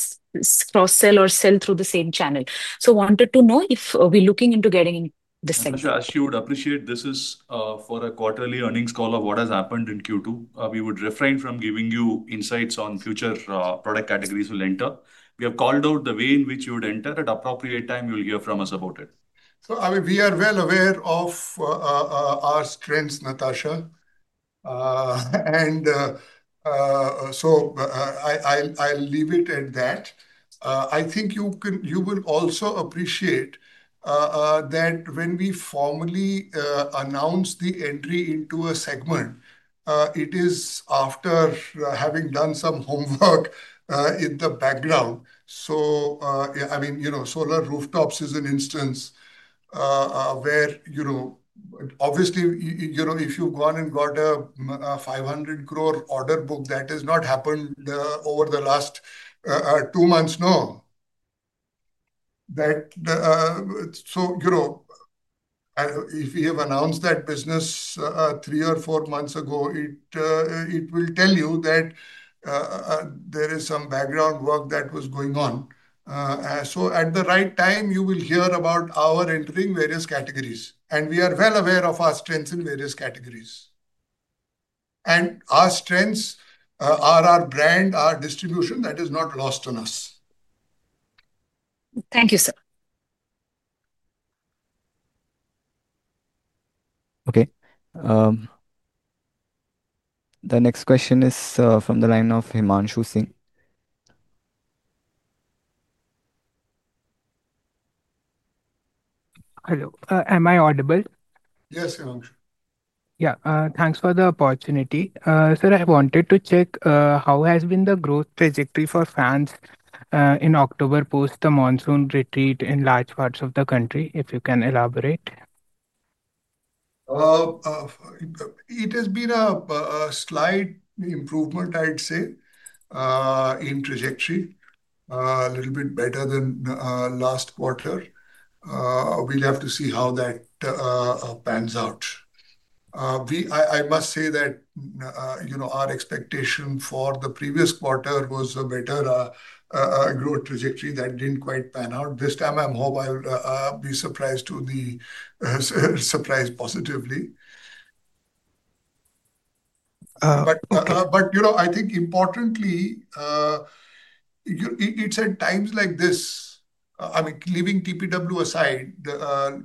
cross-sell or sell through the same channel. Wanted to know if we're looking into getting into this segment. Natasha, actually, would appreciate this is for a quarterly earnings call of what has happened in Q2. We would refrain from giving you insights on future product categories we'll enter. We have called out the way in which we would enter at appropriate time. You'll hear from us about it. I mean, we are well aware of our strengths, Natasha, and I'll leave it at that. I think you can, you will also appreciate that when we formally announce the entry into a segment, it is after having done some homework in the background. Yeah, I mean, you know, solar rooftops is an instance where, you know, obviously, you know, if you've gone and got a 500 crore order book, that has not happened over the last two months, no. If we have announced that business three or four months ago, it will tell you that there is some background work that was going on. At the right time, you will hear about our entering various categories. We are well aware of our strengths in various categories. Our strengths are our brand, our distribution, that is not lost on us. Thank you, sir. Okay. The next question is from the line of Himanshu Singh. Hello. Am I audible? Yes, Himanshu. Yeah. Thanks for the opportunity. Sir, I wanted to check, how has been the growth trajectory for fans, in October post the monsoon retreat in large parts of the country, if you can elaborate? It has been a slight improvement, I'd say. In trajectory, a little bit better than last quarter. We'll have to see how that pans out. I must say that, you know, our expectation for the previous quarter was a better growth trajectory that didn't quite pan out. This time, I'm hopeful I'll be surprised positively. You know, I think importantly, you know, it's at times like this, I mean, leaving TPW aside,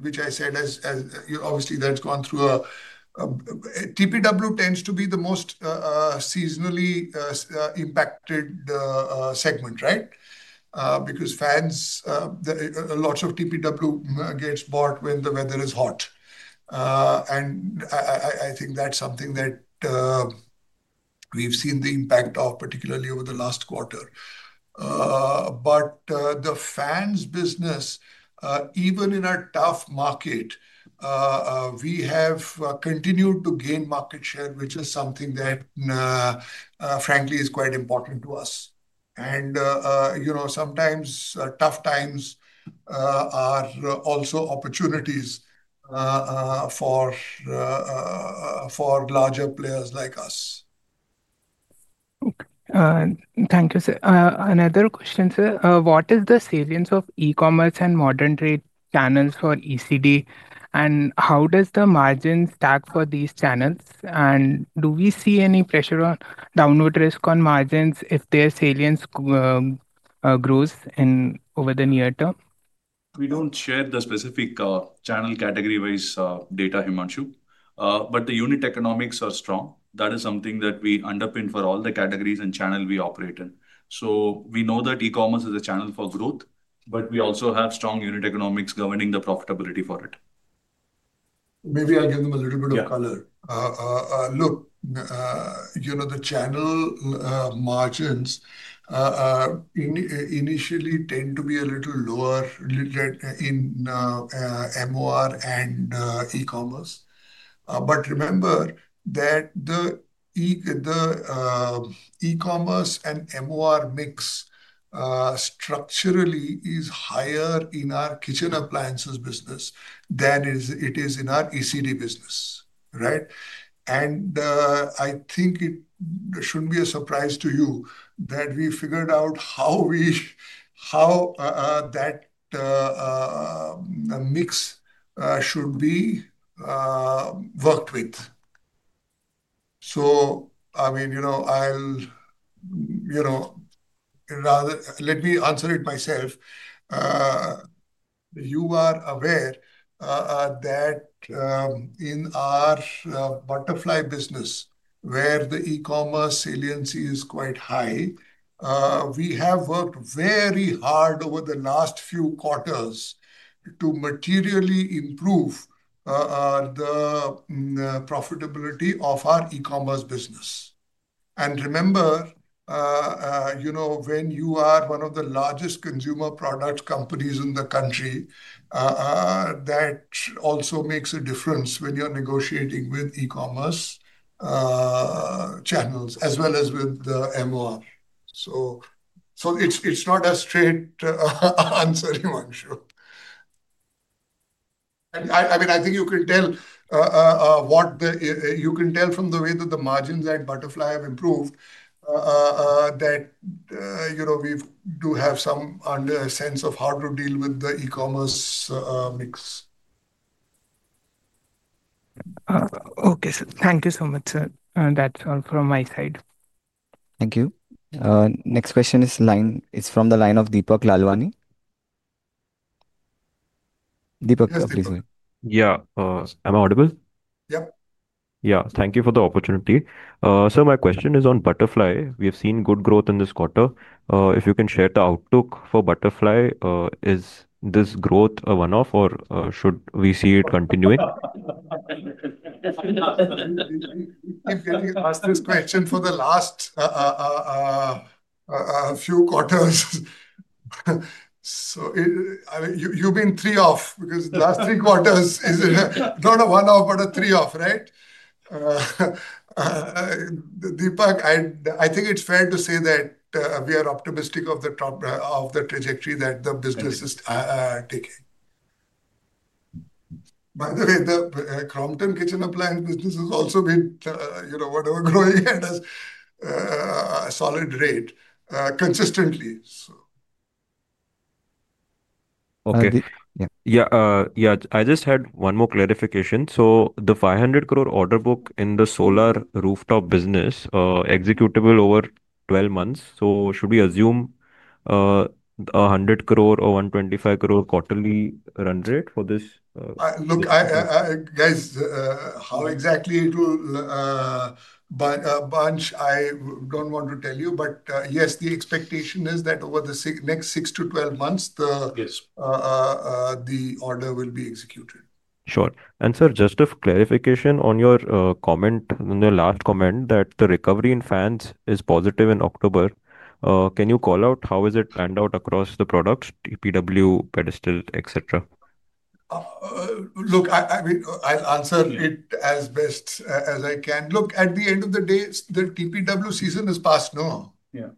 which I said, as you obviously, that's gone through a, TPW tends to be the most seasonally impacted segment, right? Because fans, the lots of TPW gets bought when the weather is hot. I think that's something that we've seen the impact of particularly over the last quarter. The fans business, even in a tough market, we have continued to gain market share, which is something that, frankly, is quite important to us. You know, sometimes tough times are also opportunities for larger players like us. Thank you, sir. Another question, sir. What is the salience of e-commerce and modern trade channels for ECD? And how does the margins stack for these channels? And do we see any pressure on downward risk on margins if their salience grows in over the near term? We don't share the specific channel category-wise data, Himanshu, but the unit economics are strong. That is something that we underpin for all the categories and channel we operate in. We know that e-commerce is a channel for growth, but we also have strong unit economics governing the profitability for it. Maybe I'll give a little bit of color. Look, you know, the channel margins initially tend to be a little lower, a little in MOR and e-commerce. Remember that the e-commerce and MOR mix structurally is higher in our kitchen appliances business than it is in our ECD business, right? I think it shouldn't be a surprise to you that we figured out how that mix should be worked with. I mean, you know, I'll—rather, let me answer it myself. You are aware that in our Butterfly business, where the e-commerce saliency is quite high, we have worked very hard over the last few quarters to materially improve the profitability of our e-commerce business. And remember. You know, when you are one of the largest consumer product companies in the country, that also makes a difference when you're negotiating with e-commerce channels as well as with the MOR. It's not a straight answer, Himanshu. I mean, I think you can tell from the way that the margins at Butterfly have improved that we do have some sense of how to deal with the e-commerce mix. Okay, sir. Thank you so much, sir. That's all from my side. Thank you. Next question is from the line of Deepak Lalwani. Deepak, please. Yeah. Am I audible? Yep. Yeah. Thank you for the opportunity. Sir, my question is on Butterfly. We have seen good growth in this quarter. If you can share the outlook for Butterfly, is this growth a one-off or should we see it continuing? Ask this question for the last, a few quarters. I mean, you've been three off because the last three quarters is not a one-off but a three-off, right? Deepak, I think it's fair to say that we are optimistic of the trajectory that the business is taking. By the way, the Crompton Kitchen Appliance business has also been, you know, whatever, growing at a solid rate, consistently. Yeah. I just had one more clarification. The 500 crore order book in the solar rooftop business, executable over 12 months. Should we assume 100 crore or 125 crore quarterly run rate for this? Look, how exactly it will, buy a bunch, I don't want to tell you, but yes, the expectation is that over the next 6-12 months, the order will be executed. Sure. And sir, just a clarification on your comment, the last comment that the recovery in fans is positive in October. Can you call out how has it panned out across the products, TPW, pedestal, etc.? Look, I mean, I'll answer it as best as I can. At the end of the day, the TPW season is past now. Yeah.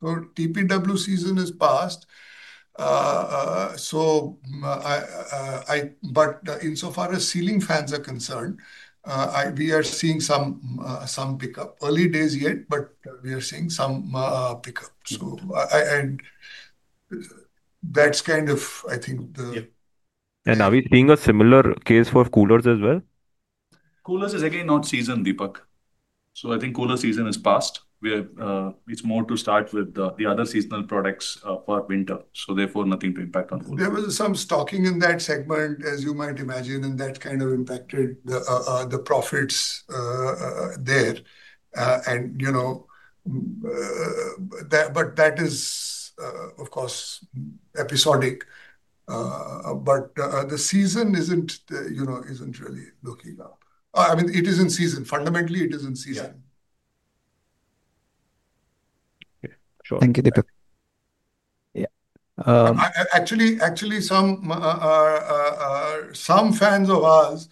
So TPW season is past. Insofar as ceiling fans are concerned, we are seeing some pickup. Early days yet, but we are seeing some pickup. That's kind of, I think, the. Are we seeing a similar case for coolers as well? Coolers is again not season, Deepak. I think cooler season is past. We are, it's more to start with the other seasonal products for winter. Therefore, nothing to impact on coolers. There was some stocking in that segment, as you might imagine, and that kind of impacted the profits there. You know, that is, of course, episodic, but the season isn't, you know, isn't really looking up. I mean, it is in season. Fundamentally, it is in season. Yeah. Okay. Sure. Thank you, Deepak. Yeah. Actually, some fans of ours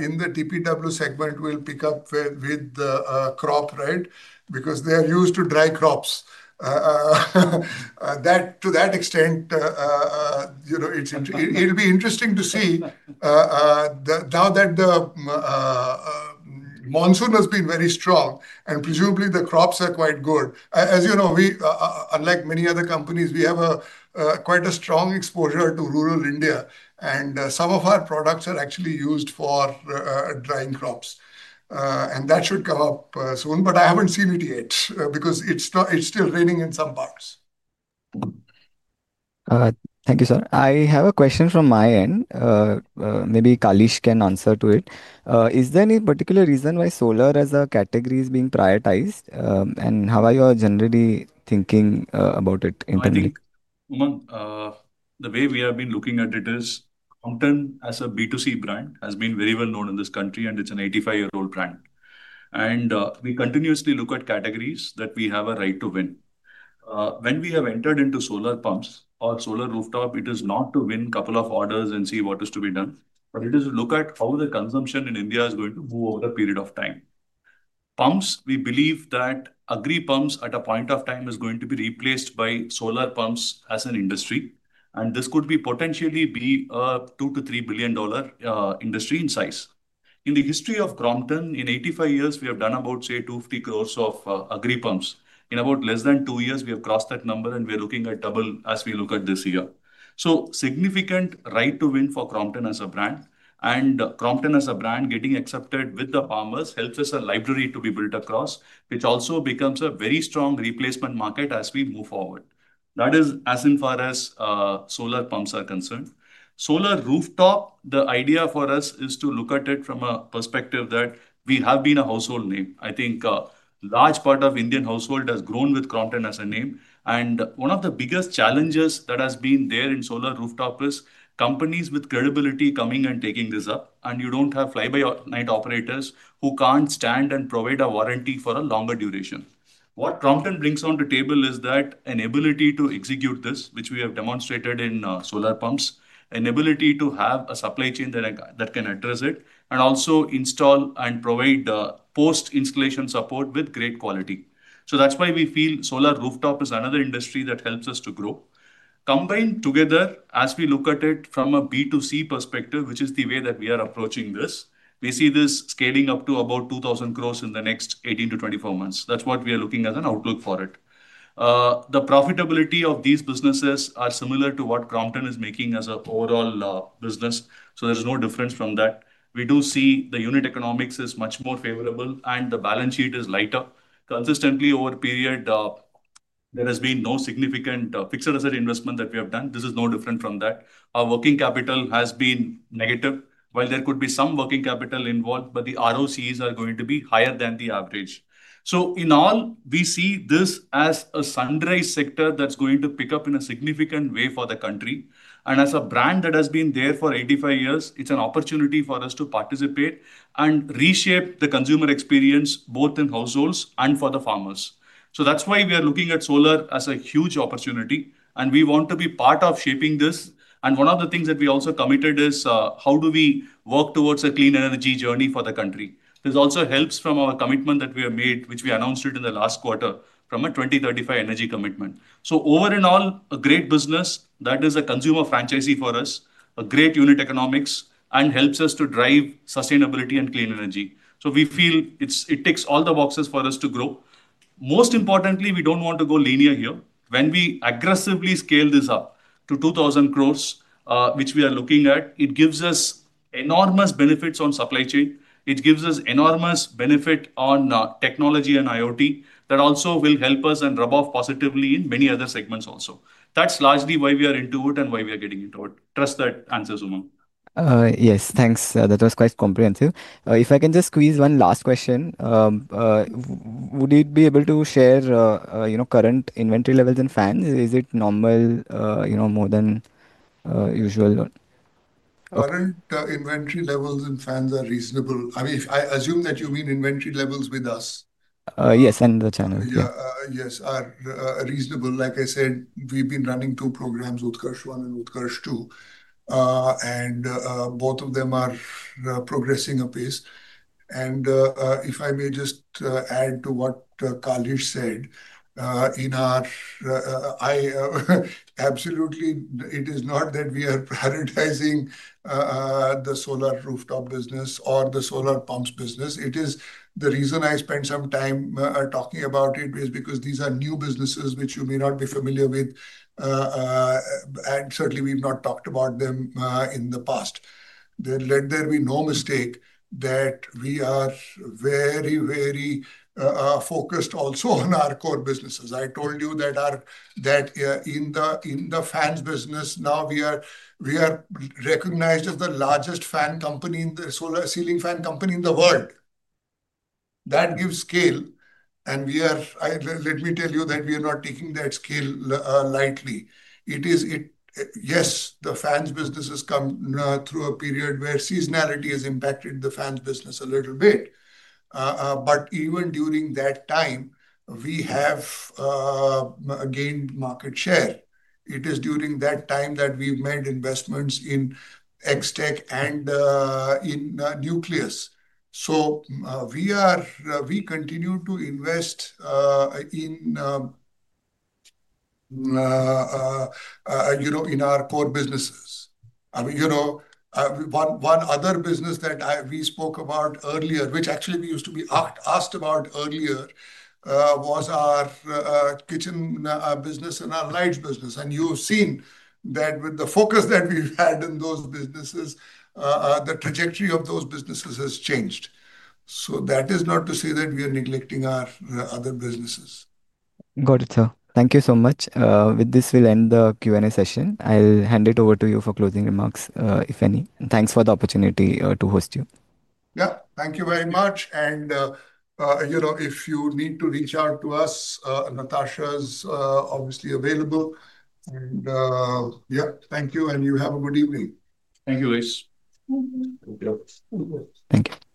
in the TPW segment will pick up with the crop, right? Because they are used to dry crops. To that extent, you know, it'll be interesting to see, now that the monsoon has been very strong and presumably the crops are quite good. As you know, we, unlike many other companies, have quite a strong exposure to rural India. Some of our products are actually used for drying crops, and that should come up soon, but I haven't seen it yet because it's still raining in some parts. Thank you, sir. I have a question from my end. Maybe Kaleeswaran can answer to it. Is there any particular reason why solar as a category is being prioritized, and how are you generally thinking about it internally? The way we have been looking at it is Crompton as a B2C brand has been very well known in this country, and it's an 85-year-old brand. We continuously look at categories that we have a right to win. When we have entered into solar pumps or solar rooftop, it is not to win a couple of orders and see what is to be done, but it is to look at how the consumption in India is going to move over the period of time. Pumps, we believe that agri pumps at a point of time are going to be replaced by solar pumps as an industry. This could potentially be a $2 billion-$3 billion industry in size. In the history of Crompton, in 85 years, we have done about, say, 250 crore of agri pumps. In about less than two years, we have crossed that number, and we are looking at double as we look at this year. Significant right to win for Crompton as a brand. Crompton as a brand getting accepted with the farmers helps us a library to be built across, which also becomes a very strong replacement market as we move forward. That is as in far as solar pumps are concerned. Solar rooftop, the idea for us is to look at it from a perspective that we have been a household name. I think a large part of Indian household has grown with Crompton as a name. One of the biggest challenges that has been there in solar rooftop is companies with credibility coming and taking this up. You do not have fly-by-night operators who cannot stand and provide a warranty for a longer duration. What Crompton brings on the table is that enability to execute this, which we have demonstrated in solar pumps, enability to have a supply chain that can address it, and also install and provide post-installation support with great quality. That is why we feel solar rooftop is another industry that helps us to grow. Combined together, as we look at it from a B2C perspective, which is the way that we are approaching this, we see this scaling up to about 2,000 crore in the next 18-24 months. That is what we are looking at an outlook for it. The profitability of these businesses are similar to what Crompton is making as an overall business. There is no difference from that. We do see the unit economics is much more favorable and the balance sheet is lighter. Consistently over a period, there has been no significant fixed asset investment that we have done. This is no different from that. Our working capital has been negative, while there could be some working capital involved, but the ROCs are going to be higher than the average. In all, we see this as a sunrise sector that is going to pick up in a significant way for the country. As a brand that has been there for 85 years, it is an opportunity for us to participate and reshape the consumer experience both in households and for the farmers. That is why we are looking at solar as a huge opportunity. We want to be part of shaping this. One of the things that we also committed is, how do we work towards a clean energy journey for the country? This also helps from our commitment that we have made, which we announced in the last quarter from a 2035 energy commitment. Overall, a great business that is a consumer franchisee for us, a great unit economics, and helps us to drive sustainability and clean energy. We feel it ticks all the boxes for us to grow. Most importantly, we do not want to go linear here. When we aggressively scale this up to 2,000 crore, which we are looking at, it gives us enormous benefits on supply chain. It gives us enormous benefit on technology and IoT that also will help us and rub off positively in many other segments also. That is largely why we are into it and why we are getting into it. Trust that answers, Umang. Yes, thanks. That was quite comprehensive. If I can just squeeze one last question, would you be able to share, you know, current inventory levels in fans? Is it normal, you know, more than usual? Current inventory levels in fans are reasonable. I mean, I assume that you mean inventory levels with us. Yes, and the channel. Yeah, yes, are reasonable. Like I said, we've been running two programs, Utkarsh One and Utkarsh Two, and both of them are progressing apace. If I may just add to what Kaleeswaran said, absolutely, it is not that we are prioritizing the solar rooftop business or the solar pumps business. The reason I spent some time talking about it is because these are new businesses which you may not be familiar with, and certainly we've not talked about them in the past. Let there be no mistake that we are very, very focused also on our core businesses. I told you that in the fans business, we are recognized as the largest ceiling fan company in the world. That gives scale. Let me tell you that we are not taking that scale lightly. Yes, the fans business has come through a period where seasonality has impacted the fans business a little bit, but even during that time, we have gained market share. It is during that time that we've made investments in XTEC and in Nucleus. We continue to invest, you know, in our core businesses. I mean, you know, one other business that we spoke about earlier, which actually we used to be asked about earlier, was our kitchen business and our light business. And you've seen that with the focus that we've had in those businesses, the trajectory of those businesses has changed. That is not to say that we are neglecting our other businesses. Got it, sir. Thank you so much. With this, we'll end the Q&A session. I'll hand it over to you for closing remarks, if any. Thank you for the opportunity to host you. Yeah, thank you very much. And, you know, if you need to reach out to us, Natasha is obviously available. Thank you, and you have a good evening. Thank you. Thank you. Thank you.